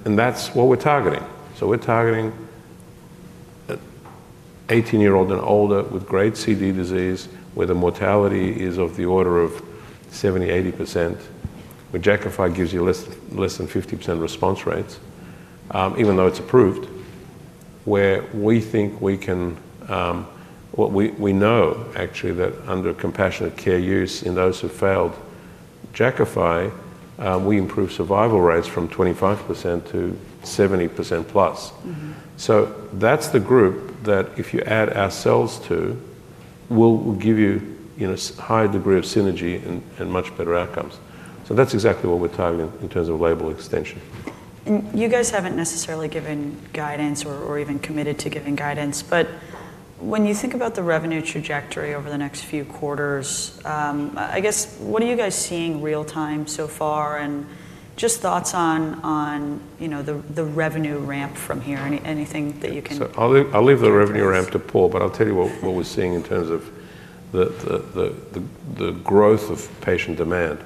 That's what we're targeting. We're targeting 18-year-old and older with grade CD disease, where the mortality is of the order of 70%, 80%, where Jakafi gives you less than 50% response rates, even though it's approved, where we think we can, we know actually that under compassionate care use in those who failed Jakafi, we improve survival rates from 25%-70%+. That's the group that if you add our cells to, will give you a higher degree of synergy and much better outcomes. That's exactly what we're targeting in terms of label extension.
You guys haven't necessarily given guidance or even committed to giving guidance. When you think about the revenue trajectory over the next few quarters, what are you guys seeing real time so far? Just thoughts on, you know, the revenue ramp from here? Anything that you can?
I'll leave the revenue ramp to Paul, but I'll tell you what we're seeing in terms of the growth of patient demand.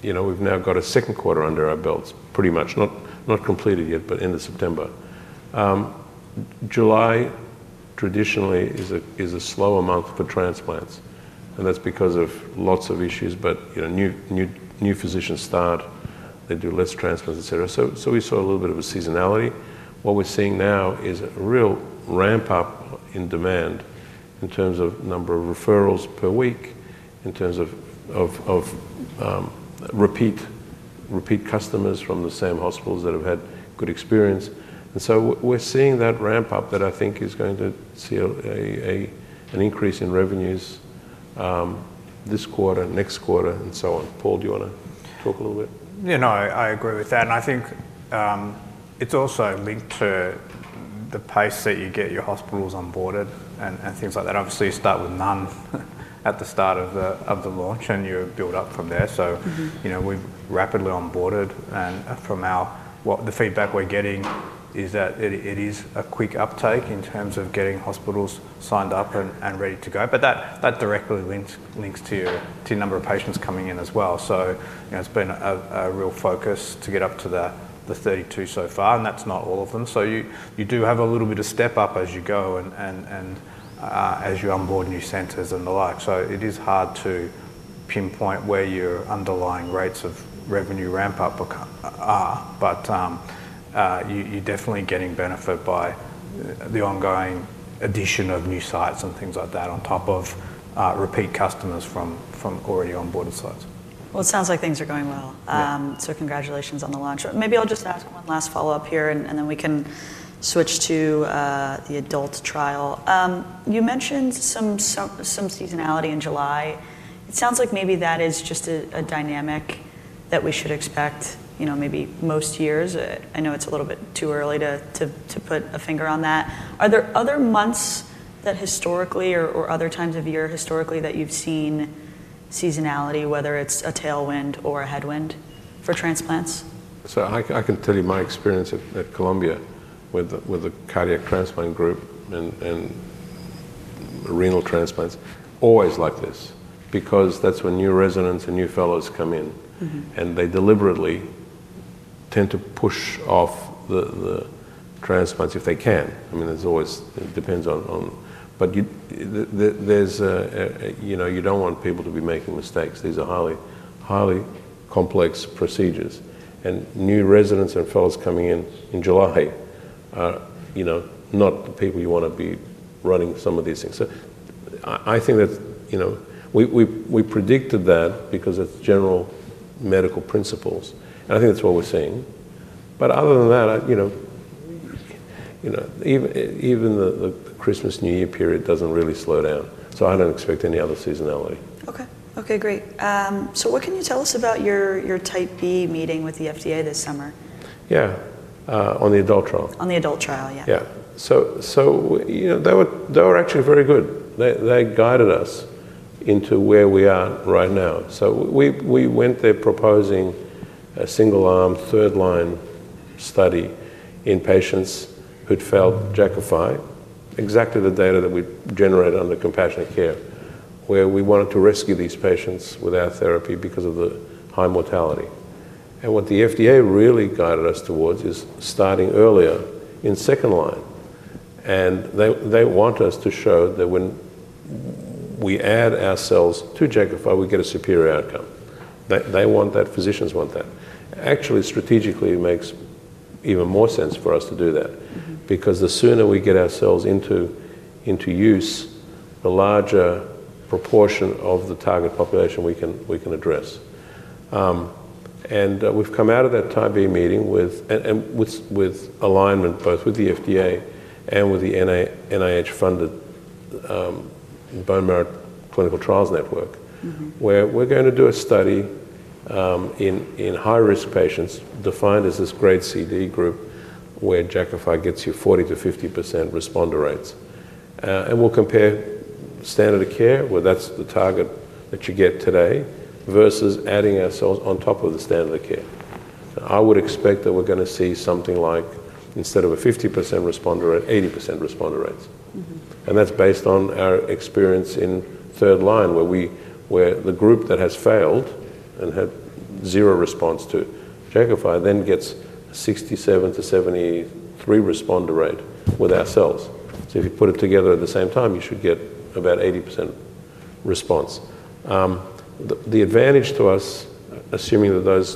We've now got a second quarter under our belts, pretty much. Not completed yet, but end of September. July traditionally is a slower month for transplants, and that's because of lots of issues. New physicians start, they do less transplants, et cetera. We saw a little bit of a seasonality. What we're seeing now is a real ramp-up in demand in terms of number of referrals per week, in terms of repeat customers from the same hospitals that have had good experience. We're seeing that ramp-up that I think is going to see an increase in revenues this quarter, next quarter, and so on. Paul, do you want to talk a little bit?
Yeah, no, I agree with that. I think it's also linked to the pace that you get your hospitals onboarded and things like that. Obviously, you start with none at the start of the launch, and you build up from there. We've rapidly onboarded, and from what the feedback we're getting is that it is a quick uptake in terms of getting hospitals signed up and ready to go. That directly links to the number of patients coming in as well. It's been a real focus to get up to the 32 so far, and that's not all of them. You do have a little bit of step-up as you go and as you onboard new centers and the like. It is hard to pinpoint where your underlying rates of revenue ramp-up are, but you're definitely getting benefit by the ongoing addition of new sites and things like that on top of repeat customers from already onboarded sites.
It sounds like things are going well. Congratulations on the launch. Maybe I'll just ask one last follow-up here, and then we can switch to the adult trial. You mentioned some seasonality in July. It sounds like maybe that is just a dynamic that we should expect, you know, maybe most years. I know it's a little bit too early to put a finger on that. Are there other months that historically, or other times of year historically, that you've seen seasonality, whether it's a tailwind or a headwind for transplants?
I can tell you my experience at Columbia with the cardiac transplant group and renal transplants, always like this, because that's when new residents and new fellows come in. They deliberately tend to push off the transplants if they can. It always depends on, but you don't want people to be making mistakes. These are highly complex procedures. New residents and fellows coming in in July are, you know, not the people you want to be running some of these things. I think that's, you know, we predicted that because it's general medical principles. I think that's what we're seeing. Other than that, even the Christmas New Year period doesn't really slow down. I don't expect any other seasonality.
OK, great. What can you tell us about your Type B meeting with the FDA this summer?
Yeah, on the adult trial?
On the adult trial, yeah.
Yeah. They were actually very good. They guided us into where we are right now. We went there proposing a single-arm, third-line study in patients who'd failed Jakafi, exactly the data that we generate under compassionate care, where we wanted to rescue these patients with our therapy because of the high mortality. What the FDA really guided us towards is starting earlier in second line. They want us to show that when we add our cells to Jakafi, we get a superior outcome. They want that. Physicians want that. Actually, strategically, it makes even more sense for us to do that because the sooner we get our cells into use, the larger proportion of the target population we can address. We've come out of that Type B meeting with alignment both with the FDA and with the NIH-funded Bone Marrow Transplant Clinical Trials Network, where we're going to do a study in high-risk patients defined as this grade CD group where Jakafi gets you 40%-50% responder rates. We'll compare standard of care, where that's the target that you get today, versus adding our cells on top of the standard of care. I would expect that we're going to see something like, instead of a 50% responder rate, 80% responder rates. That's based on our experience in third line, where the group that has failed and had zero response to Jakafi then gets a 67%-73% responder rate with our cells. If you put it together at the same time, you should get about 80% response. The advantage to us, assuming that those,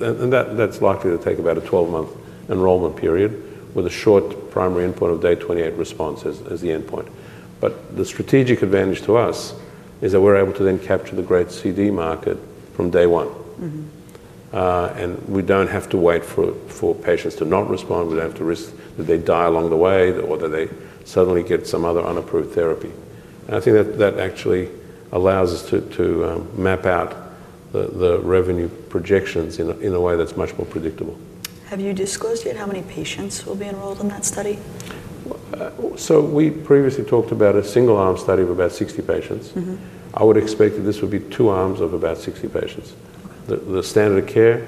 and that's likely to take about a 12-month enrollment period with a short primary endpoint of day 28 response as the endpoint. The strategic advantage to us is that we're able to then capture the grade CD market from day one. We don't have to wait for patients to not respond. We don't have to risk that they die along the way or that they suddenly get some other unapproved therapy. I think that actually allows us to map out the revenue projections in a way that's much more predictable.
Have you disclosed yet how many patients will be enrolled in that study?
We previously talked about a single-arm study of about 60 patients. I would expect that this would be two arms of about 60 patients. The standard of care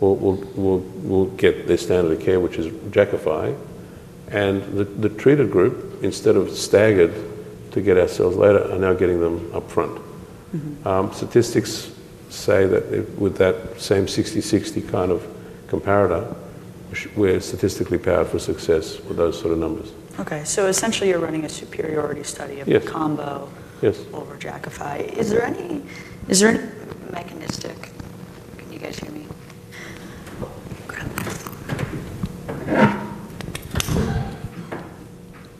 will get their standard of care, which is Jakafi. The treated group, instead of staggered to get our cells later, are now getting them up front. Statistics say that with that same 60/60 kind of comparator, we're statistically powered for success with those sort of numbers.
OK. Essentially, you're running a superiority study of the combo over Jakafi. Is there any mechanistic rationale for combining the two products? Can you guys hear me?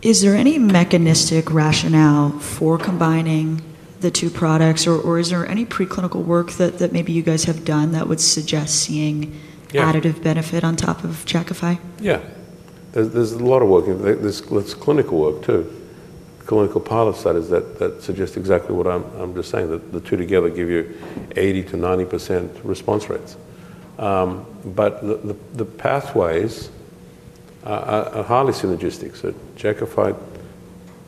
Is there any mechanistic rationale for combining the two products, or is there any preclinical work that maybe you guys have done that would suggest seeing additive benefit on top of Jakafi?
Yeah. There's a lot of work. There's clinical work too. Clinical pilot studies that suggest exactly what I'm just saying, that the two together give you 80%-90% response rates. The pathways are highly synergistic. Jakafi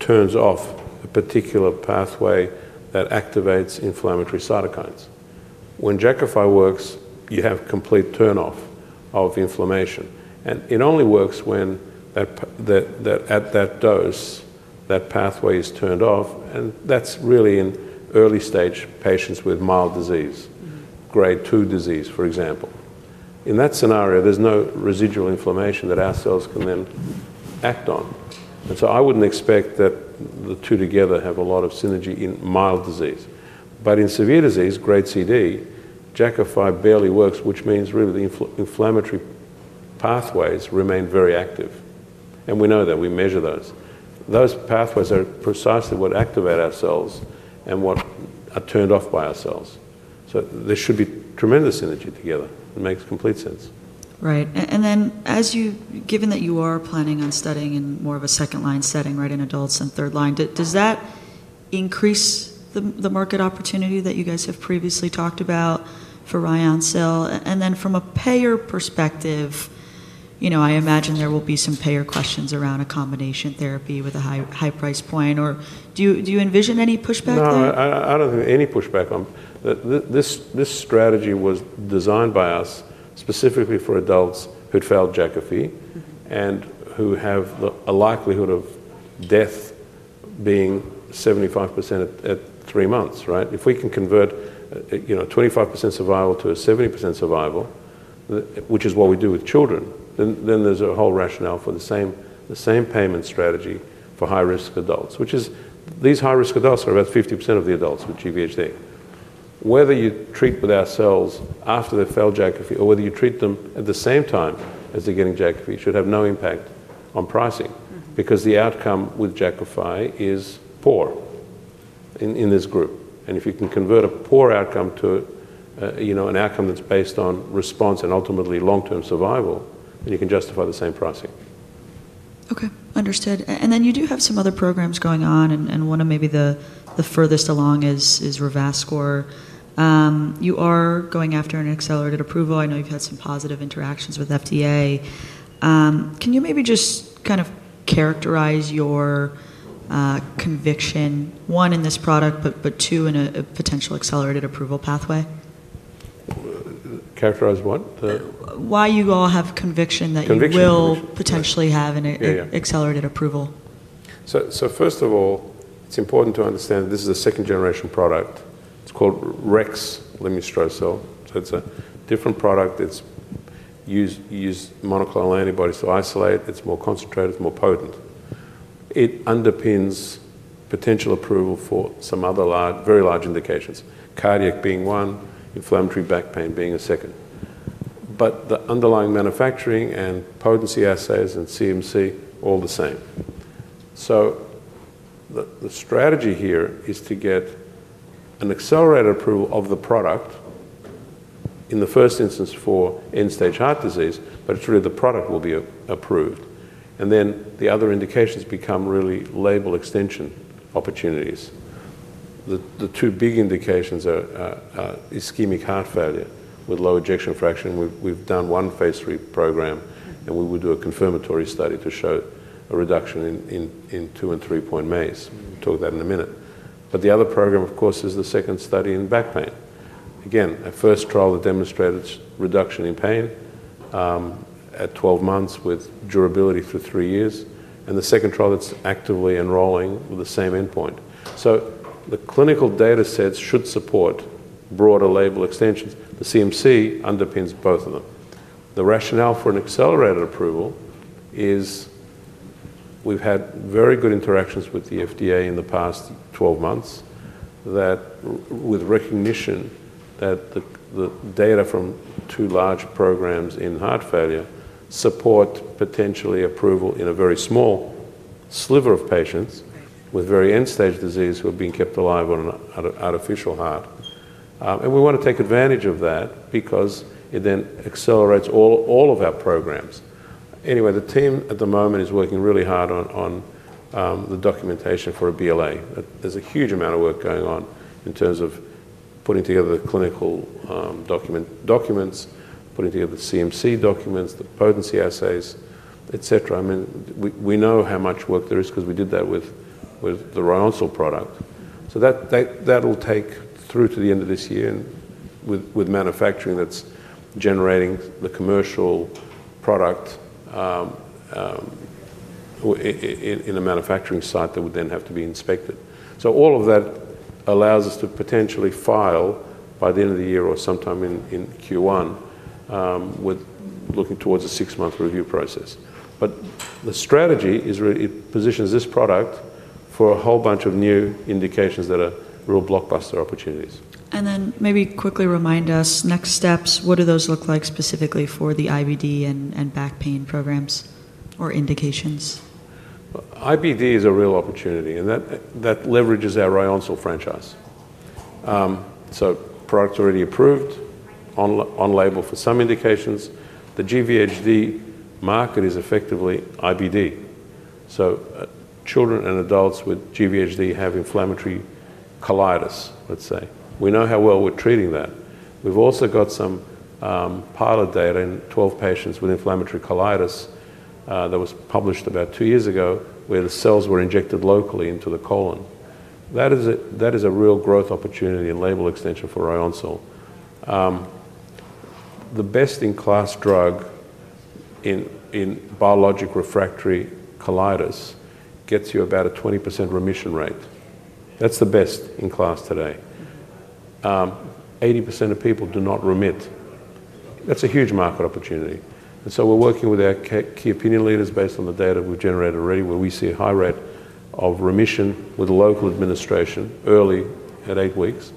turns off a particular pathway that activates inflammatory cytokines. When Jakafi works, you have complete turnoff of inflammation. It only works when at that dose, that pathway is turned off. That's really in early-stage patients with mild disease, grade II disease, for example. In that scenario, there's no residual inflammation that our cells can then act on. I wouldn't expect that the two together have a lot of synergy in mild disease. In severe disease, grade CD, Jakafi barely works, which means the inflammatory pathways remain very active. We know that. We measure those. Those pathways are precisely what activate our cells and what are turned off by our cells. There should be tremendous synergy together. It makes complete sense.
Right. Given that you are planning on studying in more of a second-line setting in adults and third line, does that increase the market opportunity that you guys have previously talked about for Ryoncil? From a payer perspective, I imagine there will be some payer questions around a combination therapy with a high price point. Do you envision any pushback there?
No, I don't think any pushback. This strategy was designed by us specifically for adults who'd failed Jakafi and who have a likelihood of death being 75% at three months, right? If we can convert, you know, 25% survival to a 70% survival, which is what we do with children, then there's a whole rationale for the same payment strategy for high-risk adults, which is these high-risk adults are about 50% of the adults with GvHD. Whether you treat with our cells after they've failed Jakafi or whether you treat them at the same time as they're getting Jakafi should have no impact on pricing because the outcome with Jakafi is poor in this group. If you can convert a poor outcome to, you know, an outcome that's based on response and ultimately long-term survival, then you can justify the same pricing.
OK, understood. You do have some other programs going on. One of maybe the furthest along is REVASCOR. You are going after an accelerated approval. I know you've had some positive interactions with FDA. Can you maybe just kind of characterize your conviction, one, in this product, but two, in a potential accelerated approval pathway?
Characterize what?
Why do you all have conviction that you will potentially have an accelerated approval?
First of all, it's important to understand this is a second-generation product. It's called rexlemestrocel. It's a different product that uses monoclonal antibodies to isolate. It's more concentrated. It's more potent. It underpins potential approval for some other very large indications, cardiac being one, inflammatory back pain being a second. The underlying manufacturing and potency assays and CMC are all the same. The strategy here is to get an accelerated approval of the product in the first instance for end-stage heart disease. It's really the product will be approved, and then the other indications become really label extension opportunities. The two big indications are ischemic heart failure with low ejection fraction. We've done one phase III program, and we would do a confirmatory study to show a reduction in two and three-point (MACEs). We'll talk about that in a minute. The other program, of course, is the second study in back pain. Again, a first trial that demonstrated reduction in pain at 12 months with durability for three years, and the second trial that's actively enrolling with the same endpoint. The clinical data sets should support broader label extensions. The CMC underpins both of them. The rationale for an accelerated approval is we've had very good interactions with the FDA in the past 12 months with recognition that the data from two large programs in heart failure support potentially approval in a very small sliver of patients with very end-stage disease who are being kept alive on an artificial heart. We want to take advantage of that because it then accelerates all of our programs. The team at the moment is working really hard on the documentation for a BLA. There's a huge amount of work going on in terms of putting together the clinical documents, putting together the CMC documents, the potency assays, et cetera. We know how much work there is because we did that with the Ryoncil product. That will take through to the end of this year with manufacturing that's generating the commercial product in the manufacturing site that would then have to be inspected. All of that allows us to potentially file by the end of the year or sometime in Q1 with looking towards a six-month review process. The strategy is really it positions this product for a whole bunch of new indications that are real blockbuster opportunities.
Maybe quickly remind us next steps. What do those look like specifically for the IBD and back pain programs or indications?
IBD is a real opportunity. That leverages our Ryoncil franchise. Products are already approved on label for some indications. The GvHD market is effectively IBD. Children and adults with GVHD have inflammatory colitis, let's say. We know how well we're treating that. We've also got some pilot data in 12 patients with inflammatory colitis that was published about two years ago, where the cells were injected locally into the colon. That is a real growth opportunity in label extension for Ryoncil. The best-in-class drug in biologic refractory colitis gets you about a 20% remission rate. That's the best in class today. 80% of people do not remit. That's a huge market opportunity. We're working with our key opinion leaders based on the data we've generated already, where we see a high rate of remission with local administration early at eight weeks.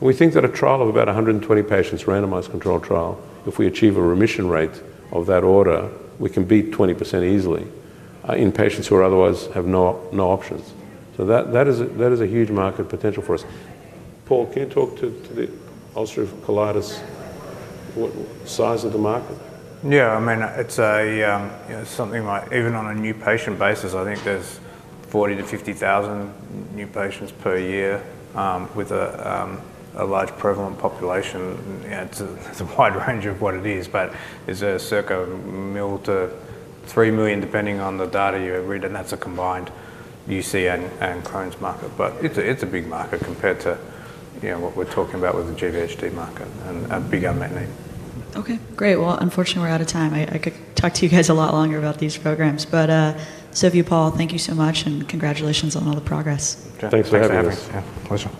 We think that a trial of about 120 patients, randomized controlled trial, if we achieve a remission rate of that order, we can beat 20% easily in patients who otherwise have no options. That is a huge market potential for us. Paul, can you talk to the ulcerative colitis? What size of the market?
Yeah, I mean, it's something like even on a new patient basis, I think there's 40,000-50,000 new patients per year with a large prevalent population. It's a wide range of what it is. It's a circa 1 million-3 million, depending on the data you read. That's a combined UC and Crohn's market. It's a big market compared to what we're talking about with the GvHD market and a big unmet need.
OK, great. Unfortunately, we're out of time. I could talk to you guys a lot longer about these programs. Silviu, Paul, thank you so much, and congratulations on all the progress.
Thanks for having me.
Yeah, pleasure.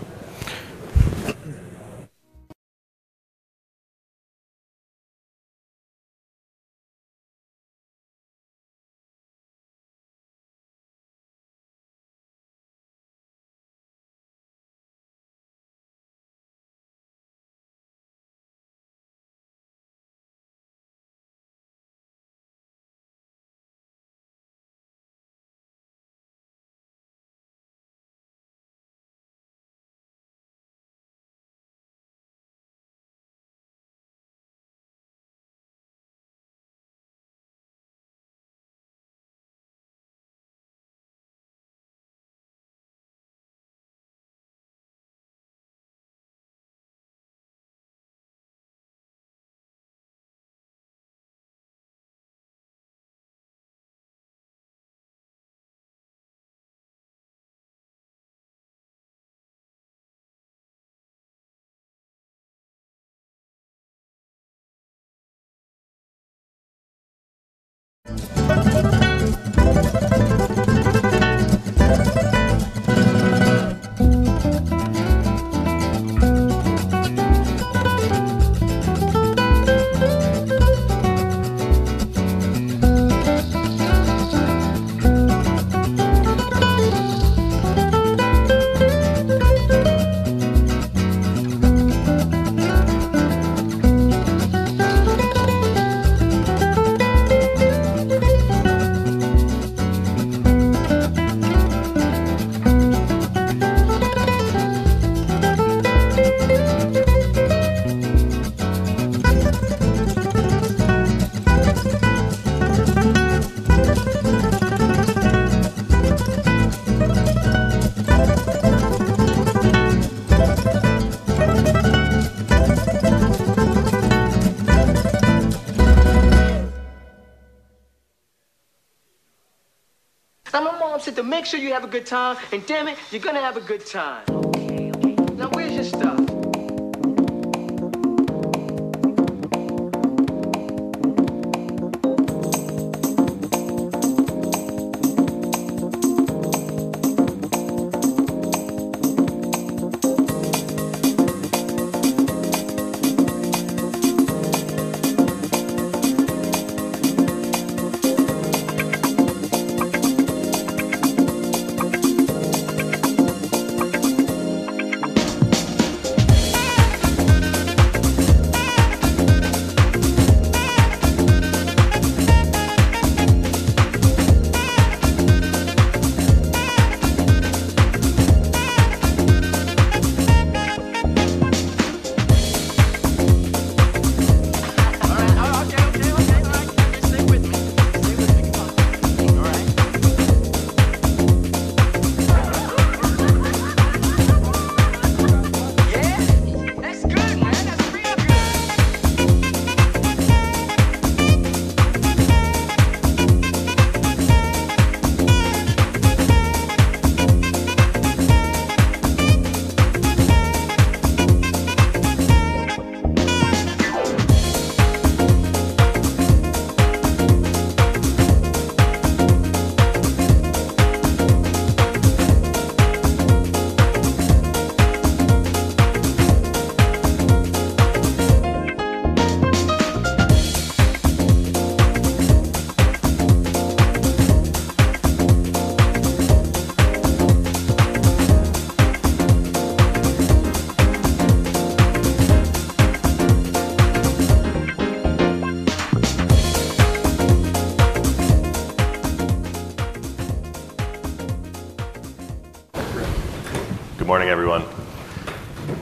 I'm in my office to make sure you have a good time. Damn it, you're going to have a good time.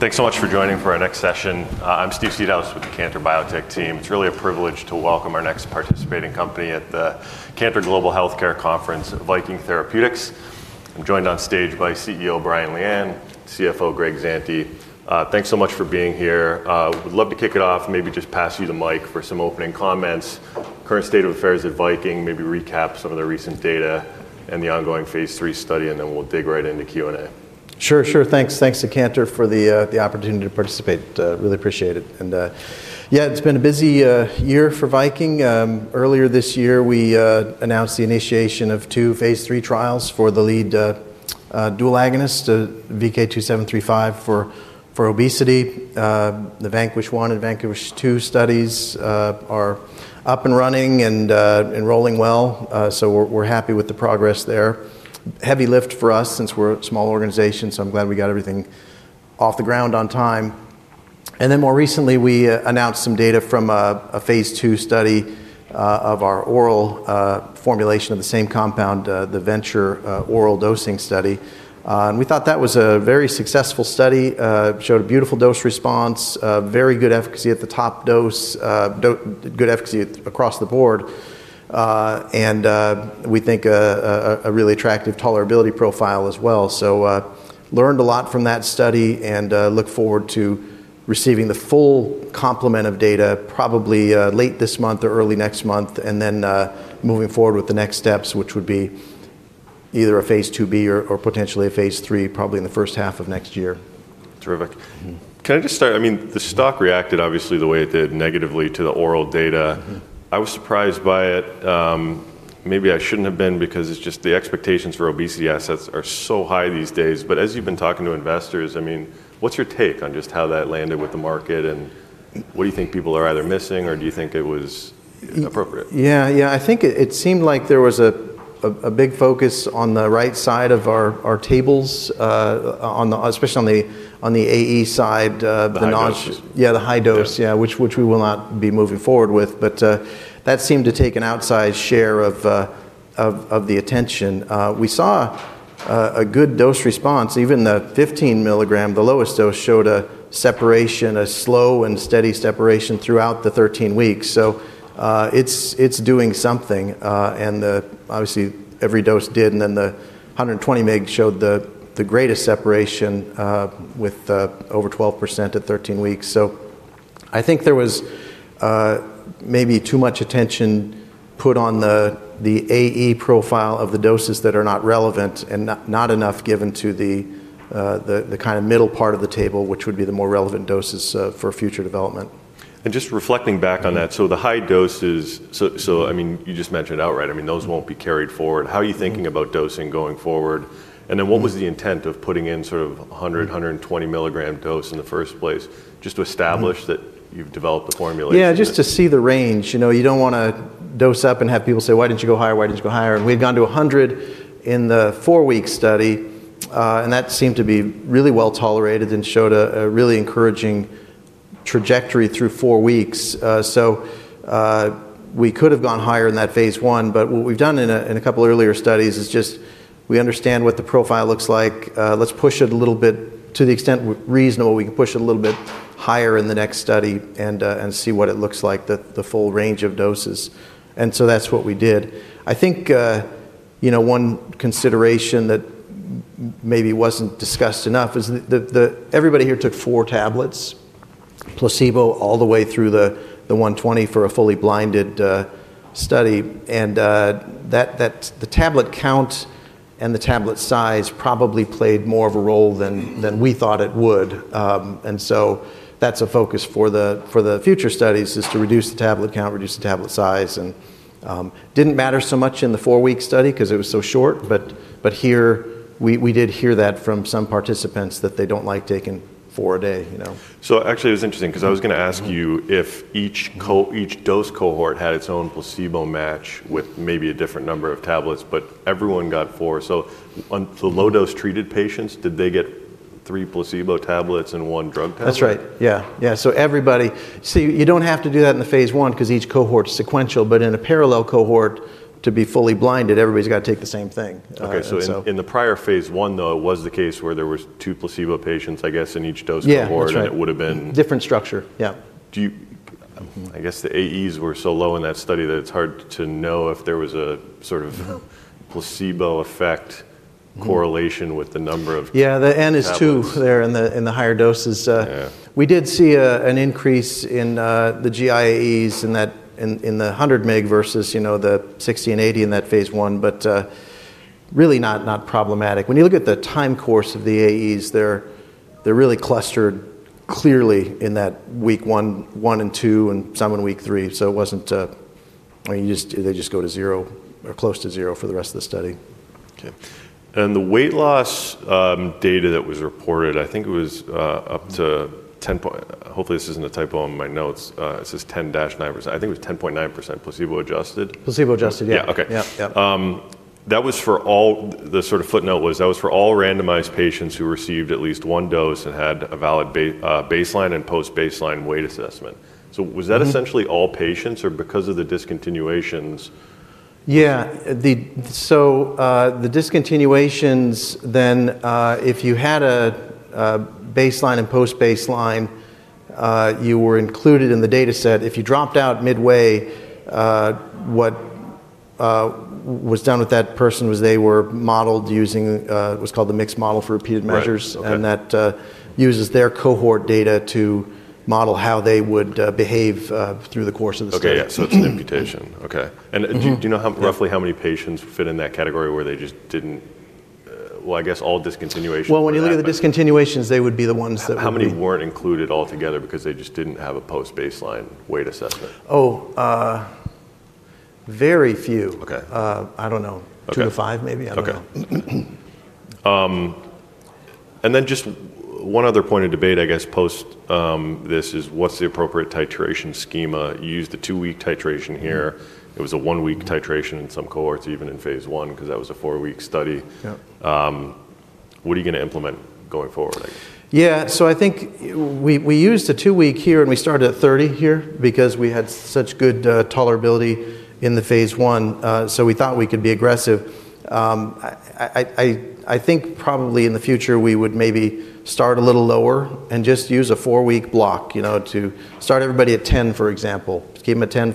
OK, please. Now, where's your stuff?
Good morning, everyone. Thanks so much for joining for our next session. I'm Steve Seedhouse with the Cantor Biotech team. It's really a privilege to welcome our next participating company at the Cantor Global Healthcare Conference, Viking Therapeutics. I'm joined on stage by CEO Brian Lian, CFO Greg Zante. Thanks so much for being here. We'd love to kick it off, maybe just pass you the mic for some opening comments, current state of affairs at Viking, maybe recap some of the recent data and the ongoing phase III study. Then we'll dig right into Q&A.
Sure, sure. Thanks. Thanks to Cantor for the opportunity to participate. Really appreciate it. Yeah, it's been a busy year for Viking. Earlier this year, we announced the initiation of two phase III trials for the lead dual agonist, VK2735, for obesity. The VANQUISH-1 and VANQUISH-2 studies are up and running and rolling well. We're happy with the progress there. Heavy lift for us since we're a small organization. I'm glad we got everything off the ground on time. More recently, we announced some data from a phase II study of our oral formulation of the same compound, the VENTURE-Oral Dosing study. We thought that was a very successful study, showed a beautiful dose response, very good efficacy at the top dose, good efficacy across the board. We think a really attractive tolerability profile as well. Learned a lot from that study and look forward to receiving the full complement of data probably late this month or early next month and then moving forward with the next steps, which would be either a phase II-B or potentially a phase III, probably in the first half of next year.
Terrific. Can I just start? I mean, the stock reacted obviously the way it did negatively to the oral data. I was surprised by it. Maybe I shouldn't have been because it's just the expectations for obesity assets are so high these days. As you've been talking to investors, I mean, what's your take on just how that landed with the market? What do you think people are either missing? Do you think it was appropriate?
Yeah, I think it seemed like there was a big focus on the right side of our tables, especially on the AE side.
The high dose.
Yeah, the high dose, yeah, which we will not be moving forward with. That seemed to take an outsized share of the attention. We saw a good dose response. Even the 15 mg, the lowest dose, showed a separation, a slow and steady separation throughout the 13 weeks. It's doing something. Obviously, every dose did. The 120 mg showed the greatest separation with over 12% at 13 weeks. I think there was maybe too much attention put on the AE profile of the doses that are not relevant and not enough given to the kind of middle part of the table, which would be the more relevant doses for future development.
Just reflecting back on that, the high doses, you just mentioned outright, those won't be carried forward. How are you thinking about dosing going forward? What was the intent of putting in sort of 100 mg, 120 mg dose in the first place, just to establish that you've developed the formulation?
Yeah, just to see the range. You know, you don't want to dose up and have people say, why did you go higher? Why did you go higher? We had gone to 100 in the four-week study. That seemed to be really well tolerated and showed a really encouraging trajectory through four weeks. We could have gone higher in that phase I. What we've done in a couple of earlier studies is just we understand what the profile looks like. Let's push it a little bit to the extent reasonable. We can push it a little bit higher in the next study and see what it looks like, the full range of doses. That's what we did. I think one consideration that maybe wasn't discussed enough is that everybody here took four tablets, placebo, all the way through the 120 mgfor a fully blinded study. The tablet count and the tablet size probably played more of a role than we thought it would. That's a focus for the future studies, to reduce the tablet count, reduce the tablet size. It didn't matter so much in the four-week study because it was so short. Here, we did hear that from some participants that they don't like taking four a day.
Actually, it was interesting because I was going to ask you if each dose cohort had its own placebo match with maybe a different number of tablets. Everyone got four. The low-dose treated patients, did they get three placebo tablets and one drug test?
That's right. Everybody, see, you don't have to do that in the phase I because each cohort is sequential. In a parallel cohort, to be fully blinded, everybody's got to take the same thing.
OK, in the prior phase I, it was the case where there were two placebo patients, I guess, in each dose cohort.
Yeah, that's right.
It would have been.
Different structure, yeah.
I guess the AEs were so low in that study that it's hard to know if there was a sort of placebo effect correlation with the number of.
Yeah, the N is 2 there in the higher doses. We did see an increase in the GI AEs in the 100 mg versus, you know, the 60 mg and 80 mg in that phase I. Really not problematic. When you look at the time course of the AEs, they're really clustered clearly in that week one, one and two, and some in week three. It wasn't, I mean, they just go to zero or close to zero for the rest of the study.
The weight loss data that was reported, I think it was up to 10%. Hopefully, this isn't a typo in my notes. It says 10%-9%. I think it was 10.9% placebo adjusted.
Placebo-adjusted, yeah.
Yeah, OK.
Yeah, yeah.
That was for all, the sort of footnote was that was for all randomized patients who received at least one dose and had a valid baseline and post-baseline weight assessment. Was that essentially all patients or because of the discontinuations?
Yeah, so the discontinuations then, if you had a baseline and post-baseline, you were included in the data set. If you dropped out midway, what was done with that person was they were modeled using what's called the mixed model for repeated measures. That uses their cohort data to model how they would behave through the course of the study.
OK, yeah, so it's an imputation. OK. Do you know roughly how many patients fit in that category where they just didn't, I guess all discontinuations?
When you look at the discontinuations, they would be the ones that.
How many weren't included altogether because they just didn't have a post-baseline weight assessment?
Oh, very few.
OK.
Two-five, maybe? I don't know.
OK. Just one other point of debate, I guess, post this is what's the appropriate titration schema? You used the two-week titration here. It was a one-week titration in some cohorts, even in phase I, because that was a four-week study. What are you going to implement going forward?
Yeah, I think we used the two-week here, and we started at 30 here because we had such good tolerability in the phase I. We thought we could be aggressive. I think probably in the future, we would maybe start a little lower and just use a four-week block, you know, to start everybody at 10, for example. Just give them a 10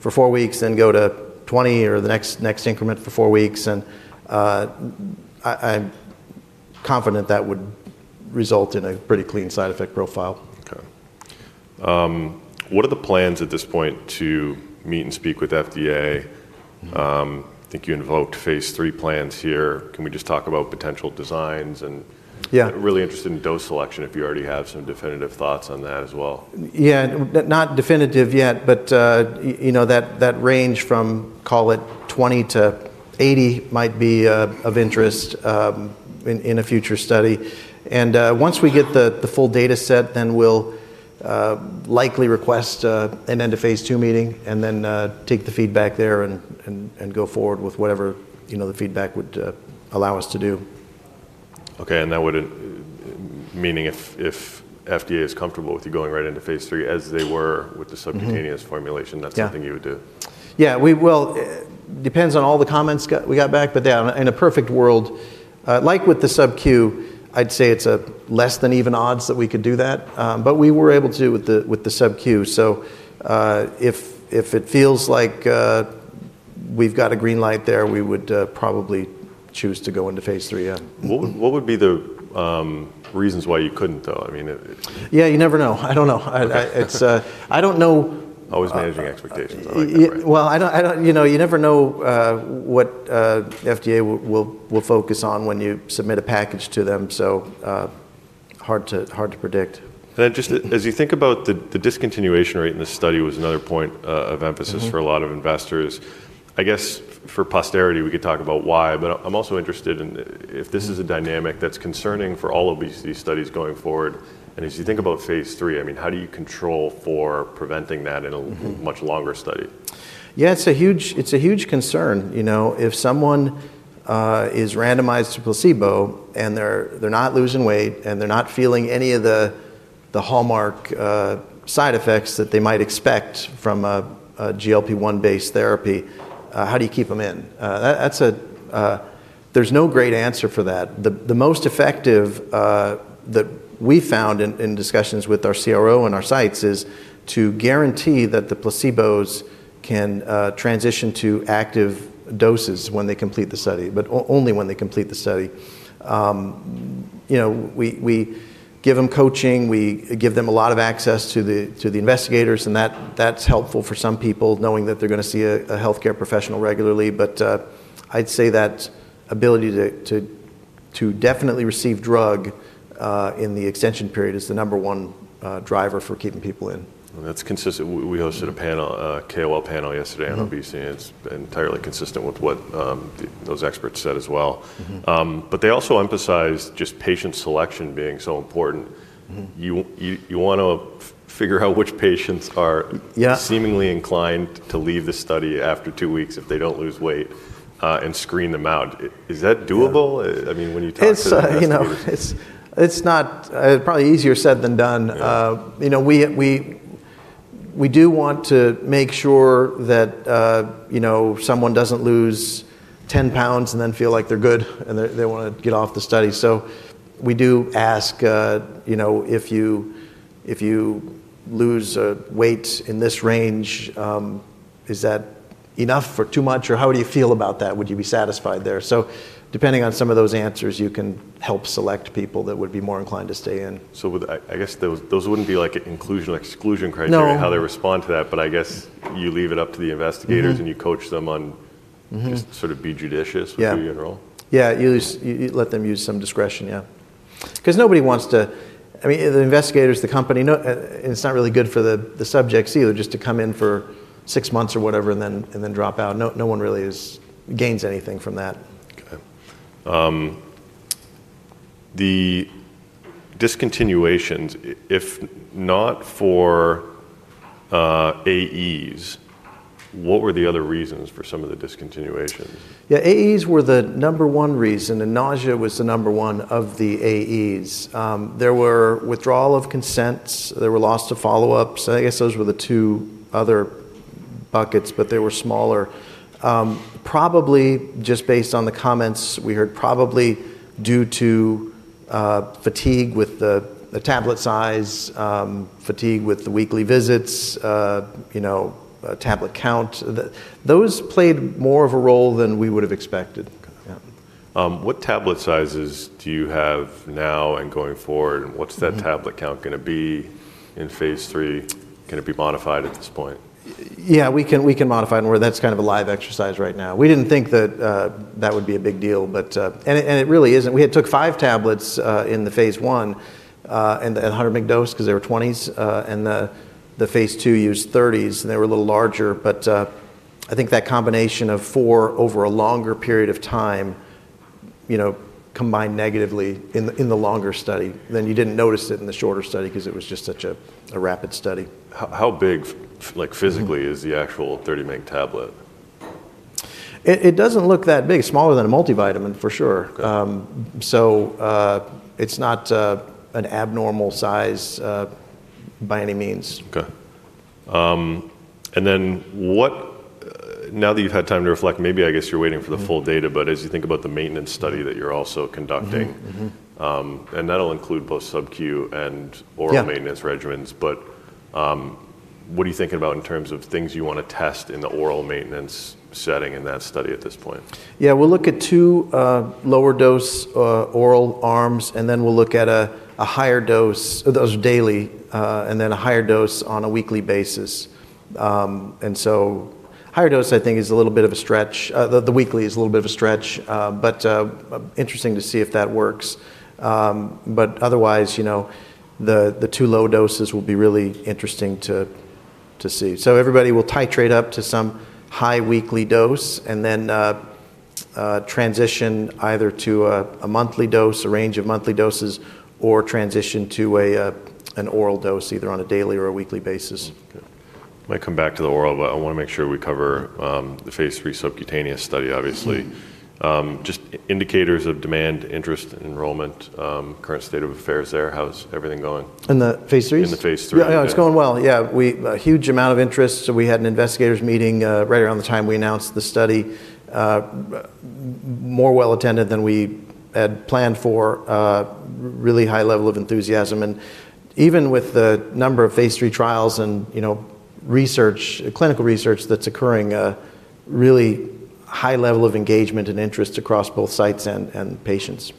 for four weeks, then go to 20 or the next increment for four weeks. I'm confident that would result in a pretty clean side effect profile.
OK. What are the plans at this point to meet and speak with FDA? I think you invoked phase III plans here. Can we just talk about potential designs? I'm really interested in dose selection if you already have some definitive thoughts on that as well.
Yeah, not definitive yet. You know, that range from, call it, 20-80 might be of interest in a future study. Once we get the full data set, we'll likely request an end-of-phase II meeting and then take the feedback there and go forward with whatever the feedback would allow us to do.
OK, and that would mean if FDA is comfortable with you going right into phase III as they were with the subcutaneous formulation, that's something you would do?
It depends on all the comments we got back. In a perfect world, like with the sub-Q, I'd say it's a less than even odds that we could do that. We were able to with the sub-Q. If it feels like we've got a green light there, we would probably choose to go into phase III, yeah.
What would be the reasons why you couldn't, though? I mean.
Yeah, you never know. I don't know. I don't know.
Always managing expectations.
You never know what FDA will focus on when you submit a package to them. It's hard to predict.
As you think about the discontinuation rate in this study, it was another point of emphasis for a lot of investors. I guess for posterity, we could talk about why. I'm also interested in if this is a dynamic that's concerning for all obesity studies going forward. As you think about phase III, how do you control for preventing that in a much longer study?
Yeah, it's a huge concern. You know, if someone is randomized to placebo and they're not losing weight and they're not feeling any of the hallmark side effects that they might expect from a GLP-1-based therapy, how do you keep them in? There's no great answer for that. The most effective that we found in discussions with our CRO and our sites is to guarantee that the placebos can transition to active doses when they complete the study, but only when they complete the study. We give them coaching. We give them a lot of access to the investigators. That's helpful for some people, knowing that they're going to see a health care professional regularly. I'd say that ability to definitely receive drug in the extension period is the number one driver for keeping people in.
That's consistent. We hosted a panel, a KOL panel yesterday on obesity. It's entirely consistent with what those experts said as well. They also emphasized just patient selection being so important. You want to figure out which patients are seemingly inclined to leave the study after two weeks if they don't lose weight and screen them out. Is that doable? I mean, when you test it.
It's probably easier said than done. We do want to make sure that someone doesn't lose 10 lbs and then feel like they're good and they want to get off the study. We do ask, if you lose weight in this range, is that enough or too much? How do you feel about that? Would you be satisfied there? Depending on some of those answers, you can help select people that would be more inclined to stay in.
I guess those wouldn't be like an inclusion or exclusion criteria.
No.
How they respond to that. I guess you leave it up to the investigators, and you coach them on just sort of be judicious in general.
Yeah, you let them use some discretion, yeah. Because nobody wants to, I mean, the investigators, the company, it's not really good for the subjects either just to come in for six months or whatever and then drop out. No one really gains anything from that.
OK. The discontinuations, if not for AEs, what were the other reasons for some of the discontinuations?
Yeah, AEs were the number one reason. Nausea was the number one of the AEs. There were withdrawal of consents and loss to follow-ups. I guess those were the two other buckets, but they were smaller. Probably just based on the comments we heard, probably due to fatigue with the tablet size, fatigue with the weekly visits, tablet count. Those played more of a role than we would have expected.
What tablet sizes do you have now and going forward? What's that tablet count going to be in phase III? Can it be modified at this point?
Yeah, we can modify it. That's kind of a live exercise right now. We didn't think that that would be a big deal, and it really isn't. We took five tablets in the phase I and the 100 mg dose because they were 20s. The phase II used 30s, and they were a little larger. I think that combination of four over a longer period of time, you know, combined negatively in the longer study. You didn't notice it in the shorter study because it was just such a rapid study.
How big physically is the actual 30 mg tablet?
It doesn't look that big. Smaller than a multivitamin, for sure. It's not an abnormal size by any means.
OK. Now that you've had time to reflect, I guess you're waiting for the full data. As you think about the maintenance study that you're also conducting, that'll include both sub-Q and oral maintenance regimens. What are you thinking about in terms of things you want to test in the oral maintenance setting in that study at this point?
Yeah, we'll look at two lower dose oral arms. Then we'll look at a higher dose, those daily, and then a higher dose on a weekly basis. Higher dose, I think, is a little bit of a stretch. The weekly is a little bit of a stretch, but interesting to see if that works. Otherwise, you know, the two low doses will be really interesting to see. Everybody will titrate up to some high weekly dose and then transition either to a monthly dose, a range of monthly doses, or transition to an oral dose either on a daily or a weekly basis.
I'm going to come back to the oral, but I want to make sure we cover the phase III subcutaneous study, obviously. Just indicators of demand, interest, enrollment, current state of affairs there. How's everything going?
In the phase III?
In the phase III.
Yeah, it's going well. A huge amount of interest. We had an investigators meeting right around the time we announced the study, more well attended than we had planned for, really high level of enthusiasm. Even with the number of phase III trials and, you know, clinical research that's occurring, really high level of engagement and interest across both sites and patients.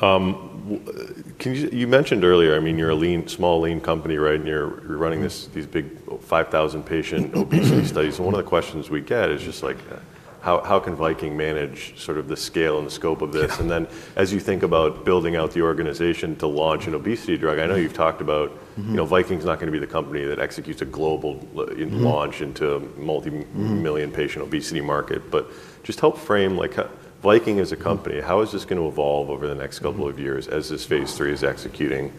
You mentioned earlier, you're a small lean company, right? You're running these big 5,000 patient obesity studies. One of the questions we get is just, how can Viking manage the scale and scope of this? As you think about building out the organization to launch an obesity drug, I know you've talked about, you know, Viking is not going to be the company that executes a global launch into a multi-million patient obesity market. Just help frame Viking as a company. How is this going to evolve over the next couple of years as this phase III is executing?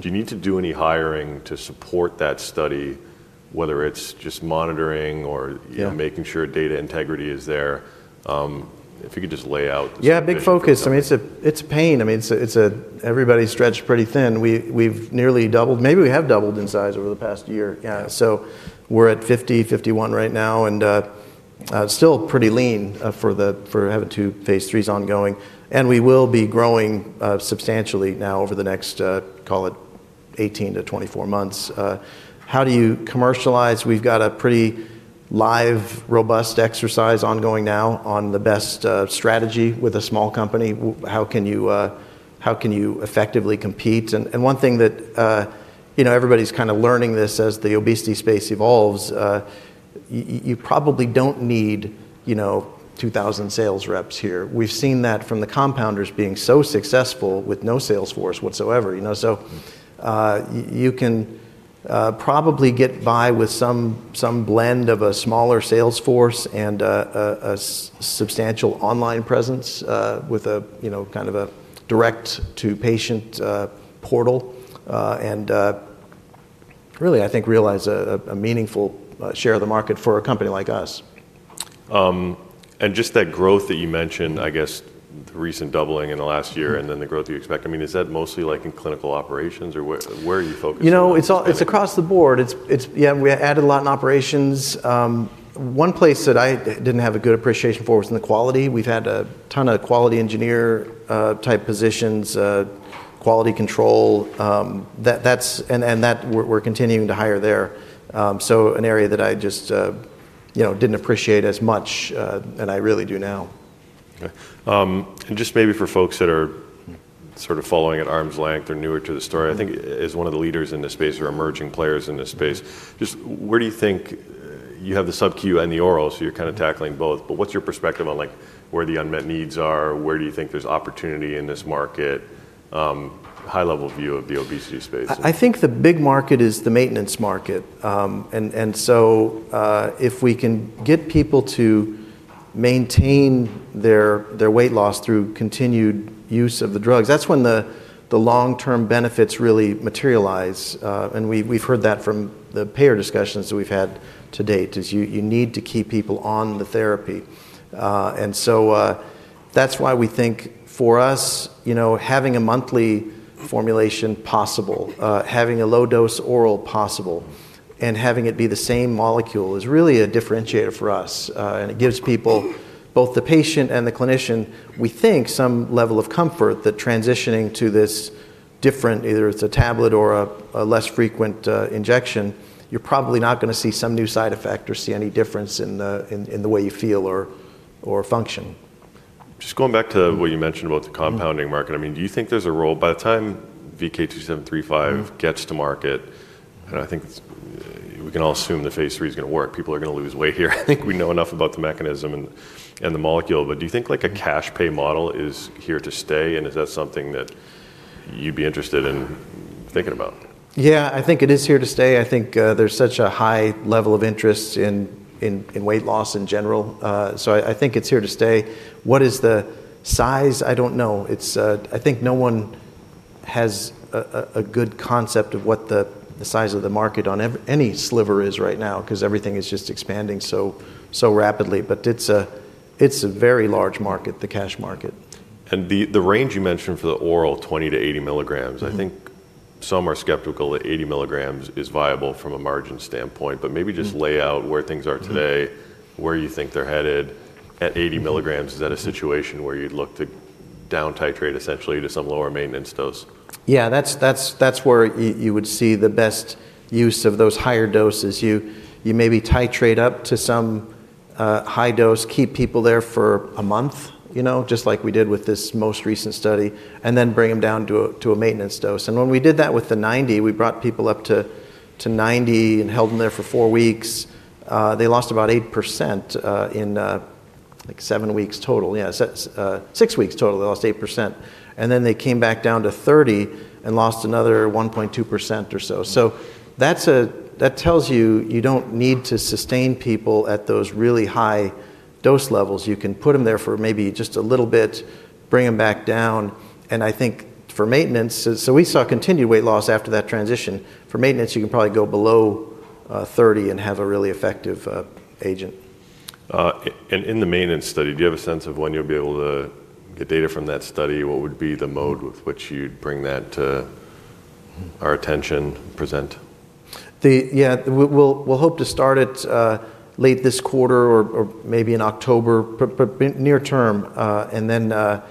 Do you need to do any hiring to support that study, whether it's just monitoring or making sure data integrity is there? If you could just lay out.
Yeah, big focus. I mean, it's a pain. I mean, everybody's stretched pretty thin. We've nearly doubled, maybe we have doubled in size over the past year. We're at 50, 51 right now, and still pretty lean for having two phase IIIs ongoing. We will be growing substantially now over the next, call it, 18-24 months. How do you commercialize? We've got a pretty live, robust exercise ongoing now on the best strategy with a small company. How can you effectively compete? One thing that everybody's kind of learning as the obesity space evolves, you probably don't need 2,000 sales reps here. We've seen that from the compounders being so successful with no sales force whatsoever. You can probably get by with some blend of a smaller sales force and a substantial online presence with a kind of direct-to-patient portal. I think you can really realize a meaningful share of the market for a company like us.
That growth that you mentioned, the recent doubling in the last year and then the growth you expect, is that mostly like in clinical operations? Or where are you focused?
You know, it's across the board. Yeah, we added a lot in operations. One place that I didn't have a good appreciation for was in the quality. We've had a ton of quality engineer-type positions, quality control, and we're continuing to hire there. An area that I just didn't appreciate as much, and I really do now.
For folks that are sort of following at arm's length or newer to the story, I think as one of the leaders in this space or emerging players in this space, where do you think you have the sub-Q and the oral? You're kind of tackling both. What's your perspective on where the unmet needs are? Where do you think there's opportunity in this market, high-level view of the obesity space?
I think the big market is the maintenance market. If we can get people to maintain their weight loss through continued use of the drugs, that's when the long-term benefits really materialize. We've heard that from the payer discussions that we've had to date, you need to keep people on the therapy. That's why we think for us, having a monthly formulation possible, having a low-dose oral possible, and having it be the same molecule is really a differentiator for us. It gives people, both the patient and the clinician, we think some level of comfort that transitioning to this different, either it's a tablet or a less frequent injection, you're probably not going to see some new side effect or see any difference in the way you feel or function.
Just going back to what you mentioned about the compounding market, do you think there's a role by the time VK2735 gets to market? I think we can all assume the phase III is going to work. People are going to lose weight here. I think we know enough about the mechanism and the molecule. Do you think a cash pay model is here to stay? Is that something that you'd be interested in thinking about?
Yeah, I think it is here to stay. I think there's such high The level of interest in weight loss in general, I think it's here to stay. What is the size? I don't know. I think no one has a good concept of what the size of the market on any sliver is right now because everything is just expanding so rapidly. It's a very large market, the cash market.
The range you mentioned for the oral, 20 mg-80 mg, I think some are skeptical that 80 mg is viable from a margin standpoint, but maybe just lay out where things are today, where you think they're headed. At 80 mg, is that a situation where you'd look to down-titrate essentially to some lower maintenance dose?
Yeah, that's where you would see the best use of those higher doses. You maybe titrate up to some high dose, keep people there for a month, just like we did with this most recent study, and then bring them down to a maintenance dose. When we did that with the 90 mg, we brought people up to 90 mg and held them there for four weeks. They lost about 8% in, like, seven weeks total. Yeah, six weeks total, they lost 8%. Then they came back down to 30 mg and lost another 1.2% or so. That tells you, you don't need to sustain people at those really high dose levels. You can put them there for maybe just a little bit, bring them back down. I think for maintenance, we saw continued weight loss after that transition. For maintenance, you can probably go below 30 mg and have a really effective agent.
In the maintenance study, do you have a sense of when you'll be able to get data from that study? What would be the mode with which you'd bring that to our attention and present?
Yeah, we'll hope to start it late this quarter or maybe in October, but near term. It's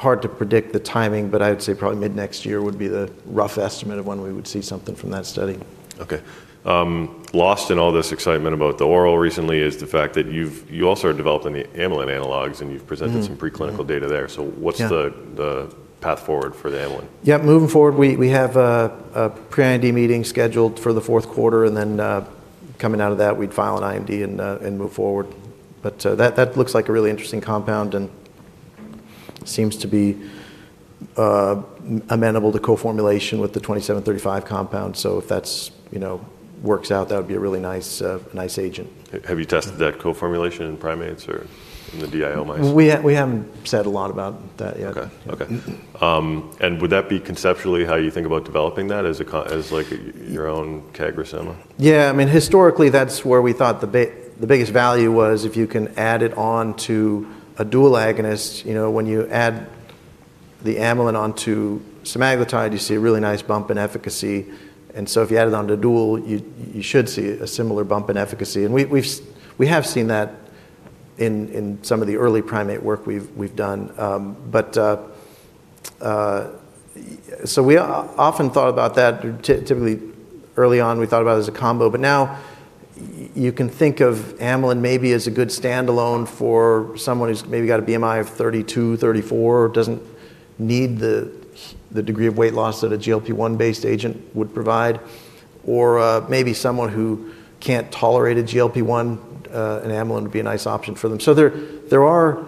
hard to predict the timing, but I'd say probably mid next year would be the rough estimate of when we would see something from that study.
Okay. Lost in all this excitement about the oral recently is the fact that you've, you also are developing the amylin analogs and you've presented some preclinical data there. What's the path forward for the amylin?
Moving forward, we have a pre-IND meeting scheduled for the fourth quarter, and then, coming out of that, we'd file an IND and move forward. That looks like a really interesting compound and seems to be amenable to co-formulation with the VK2735 compound. If that works out, that would be a really nice agent.
Have you tested that co-formulation in primates or in the (DIO mice)?
We haven't said a lot about that yet.
Okay. Would that be conceptually how you think about developing that as, like, your own CagriSema?
Yeah, I mean, historically that's where we thought the biggest value was if you can add it on to a dual agonist, you know, when you add the amylin analog onto semaglutide, you see a really nice bump in efficacy. If you add it onto dual, you should see a similar bump in efficacy. We have seen that in some of the early primate work we've done. We often thought about that typically early on, we thought about it as a combo, but now you can think of amylin analog maybe as a good standalone for someone who's maybe got a BMI of 32, 34, or doesn't need the degree of weight loss that a GLP-1 based agent would provide, or maybe someone who can't tolerate a GLP-1, an amylin analog would be a nice option for them. There are,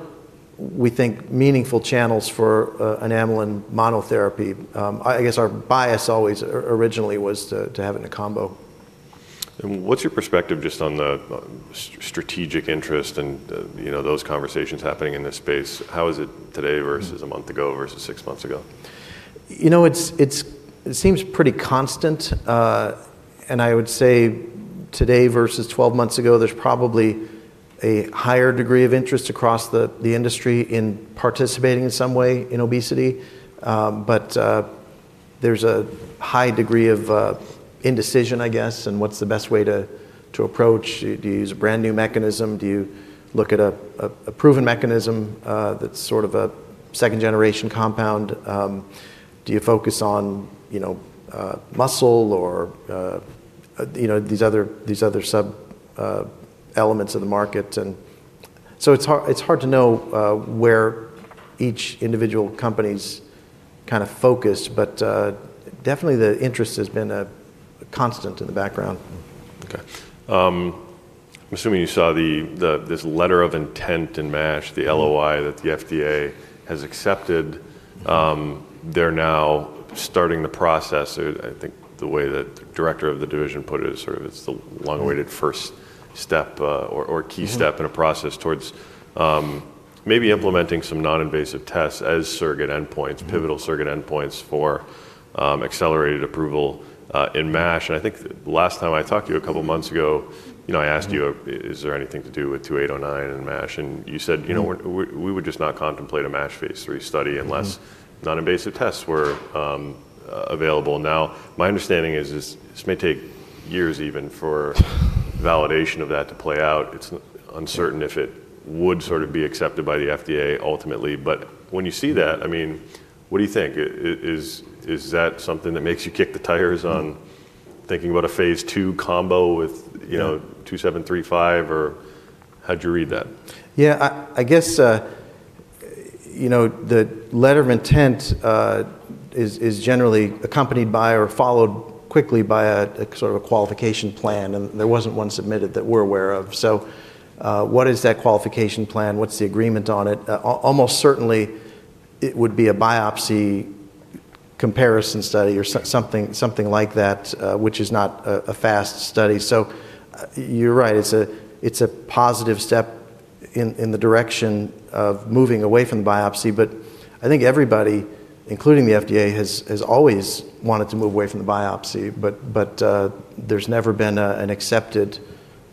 we think, meaningful channels for an amylin analog monotherapy. I guess our bias always originally was to have it in a combo.
What is your perspective just on the strategic interest and, you know, those conversations happening in this space? How is it today versus a month ago versus six months ago?
You know, it seems pretty constant. I would say today versus 12 months ago, there's probably a higher degree of interest across the industry in participating in some way in obesity. There's a high degree of indecision, I guess, in what's the best way to approach. Do you use a brand new mechanism? Do you look at a proven mechanism, that's sort of a second generation compound? Do you focus on, you know, muscle or, you know, these other sub-elements of the market? It's hard to know where each individual company's kind of focused, but definitely the interest has been a constant in the background.
Okay. I'm assuming you saw this letter of intent in MASH, the LOI that the FDA has accepted. They're now starting the process. I think the way that the Director of the Division put it is, it's the long-awaited first step, or key step in a process towards maybe implementing some non-invasive tests as surrogate endpoints, pivotal surrogate endpoints for accelerated approval in MASH. I think the last time I talked to you a couple of months ago, I asked you, is there anything to do with VK2809 in MASH? You said, you know, we would just not contemplate a MASH-based study unless non-invasive tests were available. My understanding is this may take years even for validation of that to play out. It's uncertain if it would be accepted by the FDA ultimately. When you see that, what do you think? Is that something that makes you kick the tires on thinking about a phase II combo with VK2735, or how'd you read that?
Yeah, I guess, you know, the letter of intent is generally accompanied by or followed quickly by a sort of a qualification plan. There wasn't one submitted that we're aware of. What is that qualification plan? What's the agreement on it? Almost certainly, it would be a biopsy comparison study or something like that, which is not a fast study. You're right. It's a positive step in the direction of moving away from the biopsy, but I think everybody, including the FDA, has always wanted to move away from the biopsy, but there's never been an accepted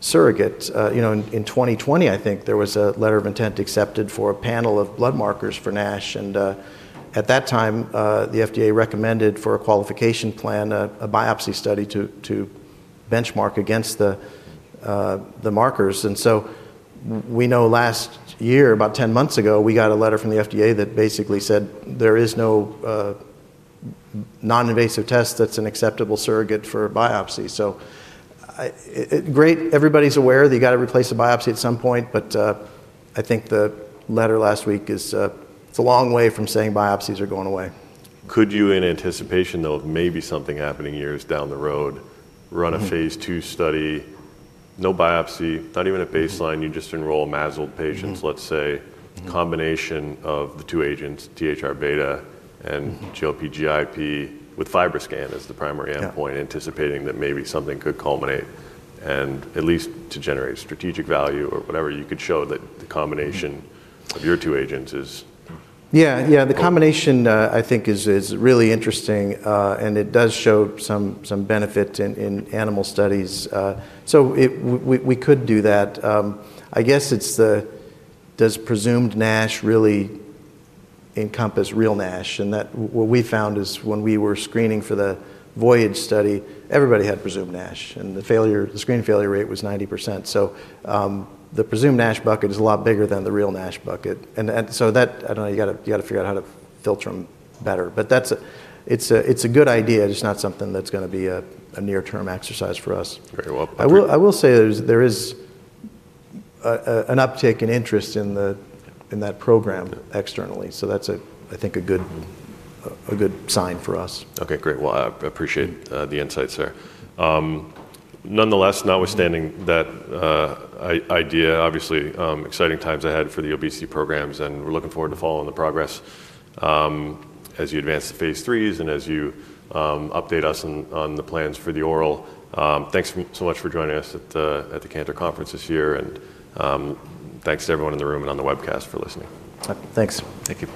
surrogate. You know, in 2020, I think there was a letter of intent accepted for a panel of blood markers for NASH. At that time, the FDA recommended for a qualification plan, a biopsy study to benchmark against the markers. We know last year, about 10 months ago, we got a letter from the FDA that basically said there is no non-invasive test that's an acceptable surrogate for a biopsy. Great, everybody's aware that you got to replace a biopsy at some point, but I think the letter last week is a long way from saying biopsies are going away.
Could you, in anticipation though, of maybe something happening years down the road, run a phase II study, no biopsy, not even a baseline, you just enroll (MASLD) patients, let's say, a combination of the two agents, THR-beta and GLP-GIP, with FibroScan as the primary endpoint, anticipating that maybe something could culminate and at least to generate strategic value or whatever you could show that the combination of your two agents is.
Yeah, the combination, I think, is really interesting, and it does show some benefit in animal studies. We could do that. I guess it's the, does presumed NASH really encompass real NASH? What we found is when we were screening for the (VOIAD) study, everybody had presumed NASH and the screen failure rate was 90%. The presumed NASH bucket is a lot bigger than the real NASH bucket. I don't know, you got to figure out how to filter them better, but that's a good idea. It's not something that's going to be a near-term exercise for us.
Very well.
I will say there is an uptick in interest in that program externally. I think that's a good sign for us.
Okay, great. I appreciate the insights there. Nonetheless, notwithstanding that idea, obviously, exciting times ahead for the obesity programs, and we're looking forward to following the progress as you advance the phase IIIs and as you update us on the plans for the oral. Thanks so much for joining us at the Cantor Conference this year, and thanks to everyone in the room and on the webcast for listening.
Thanks.
Thank you.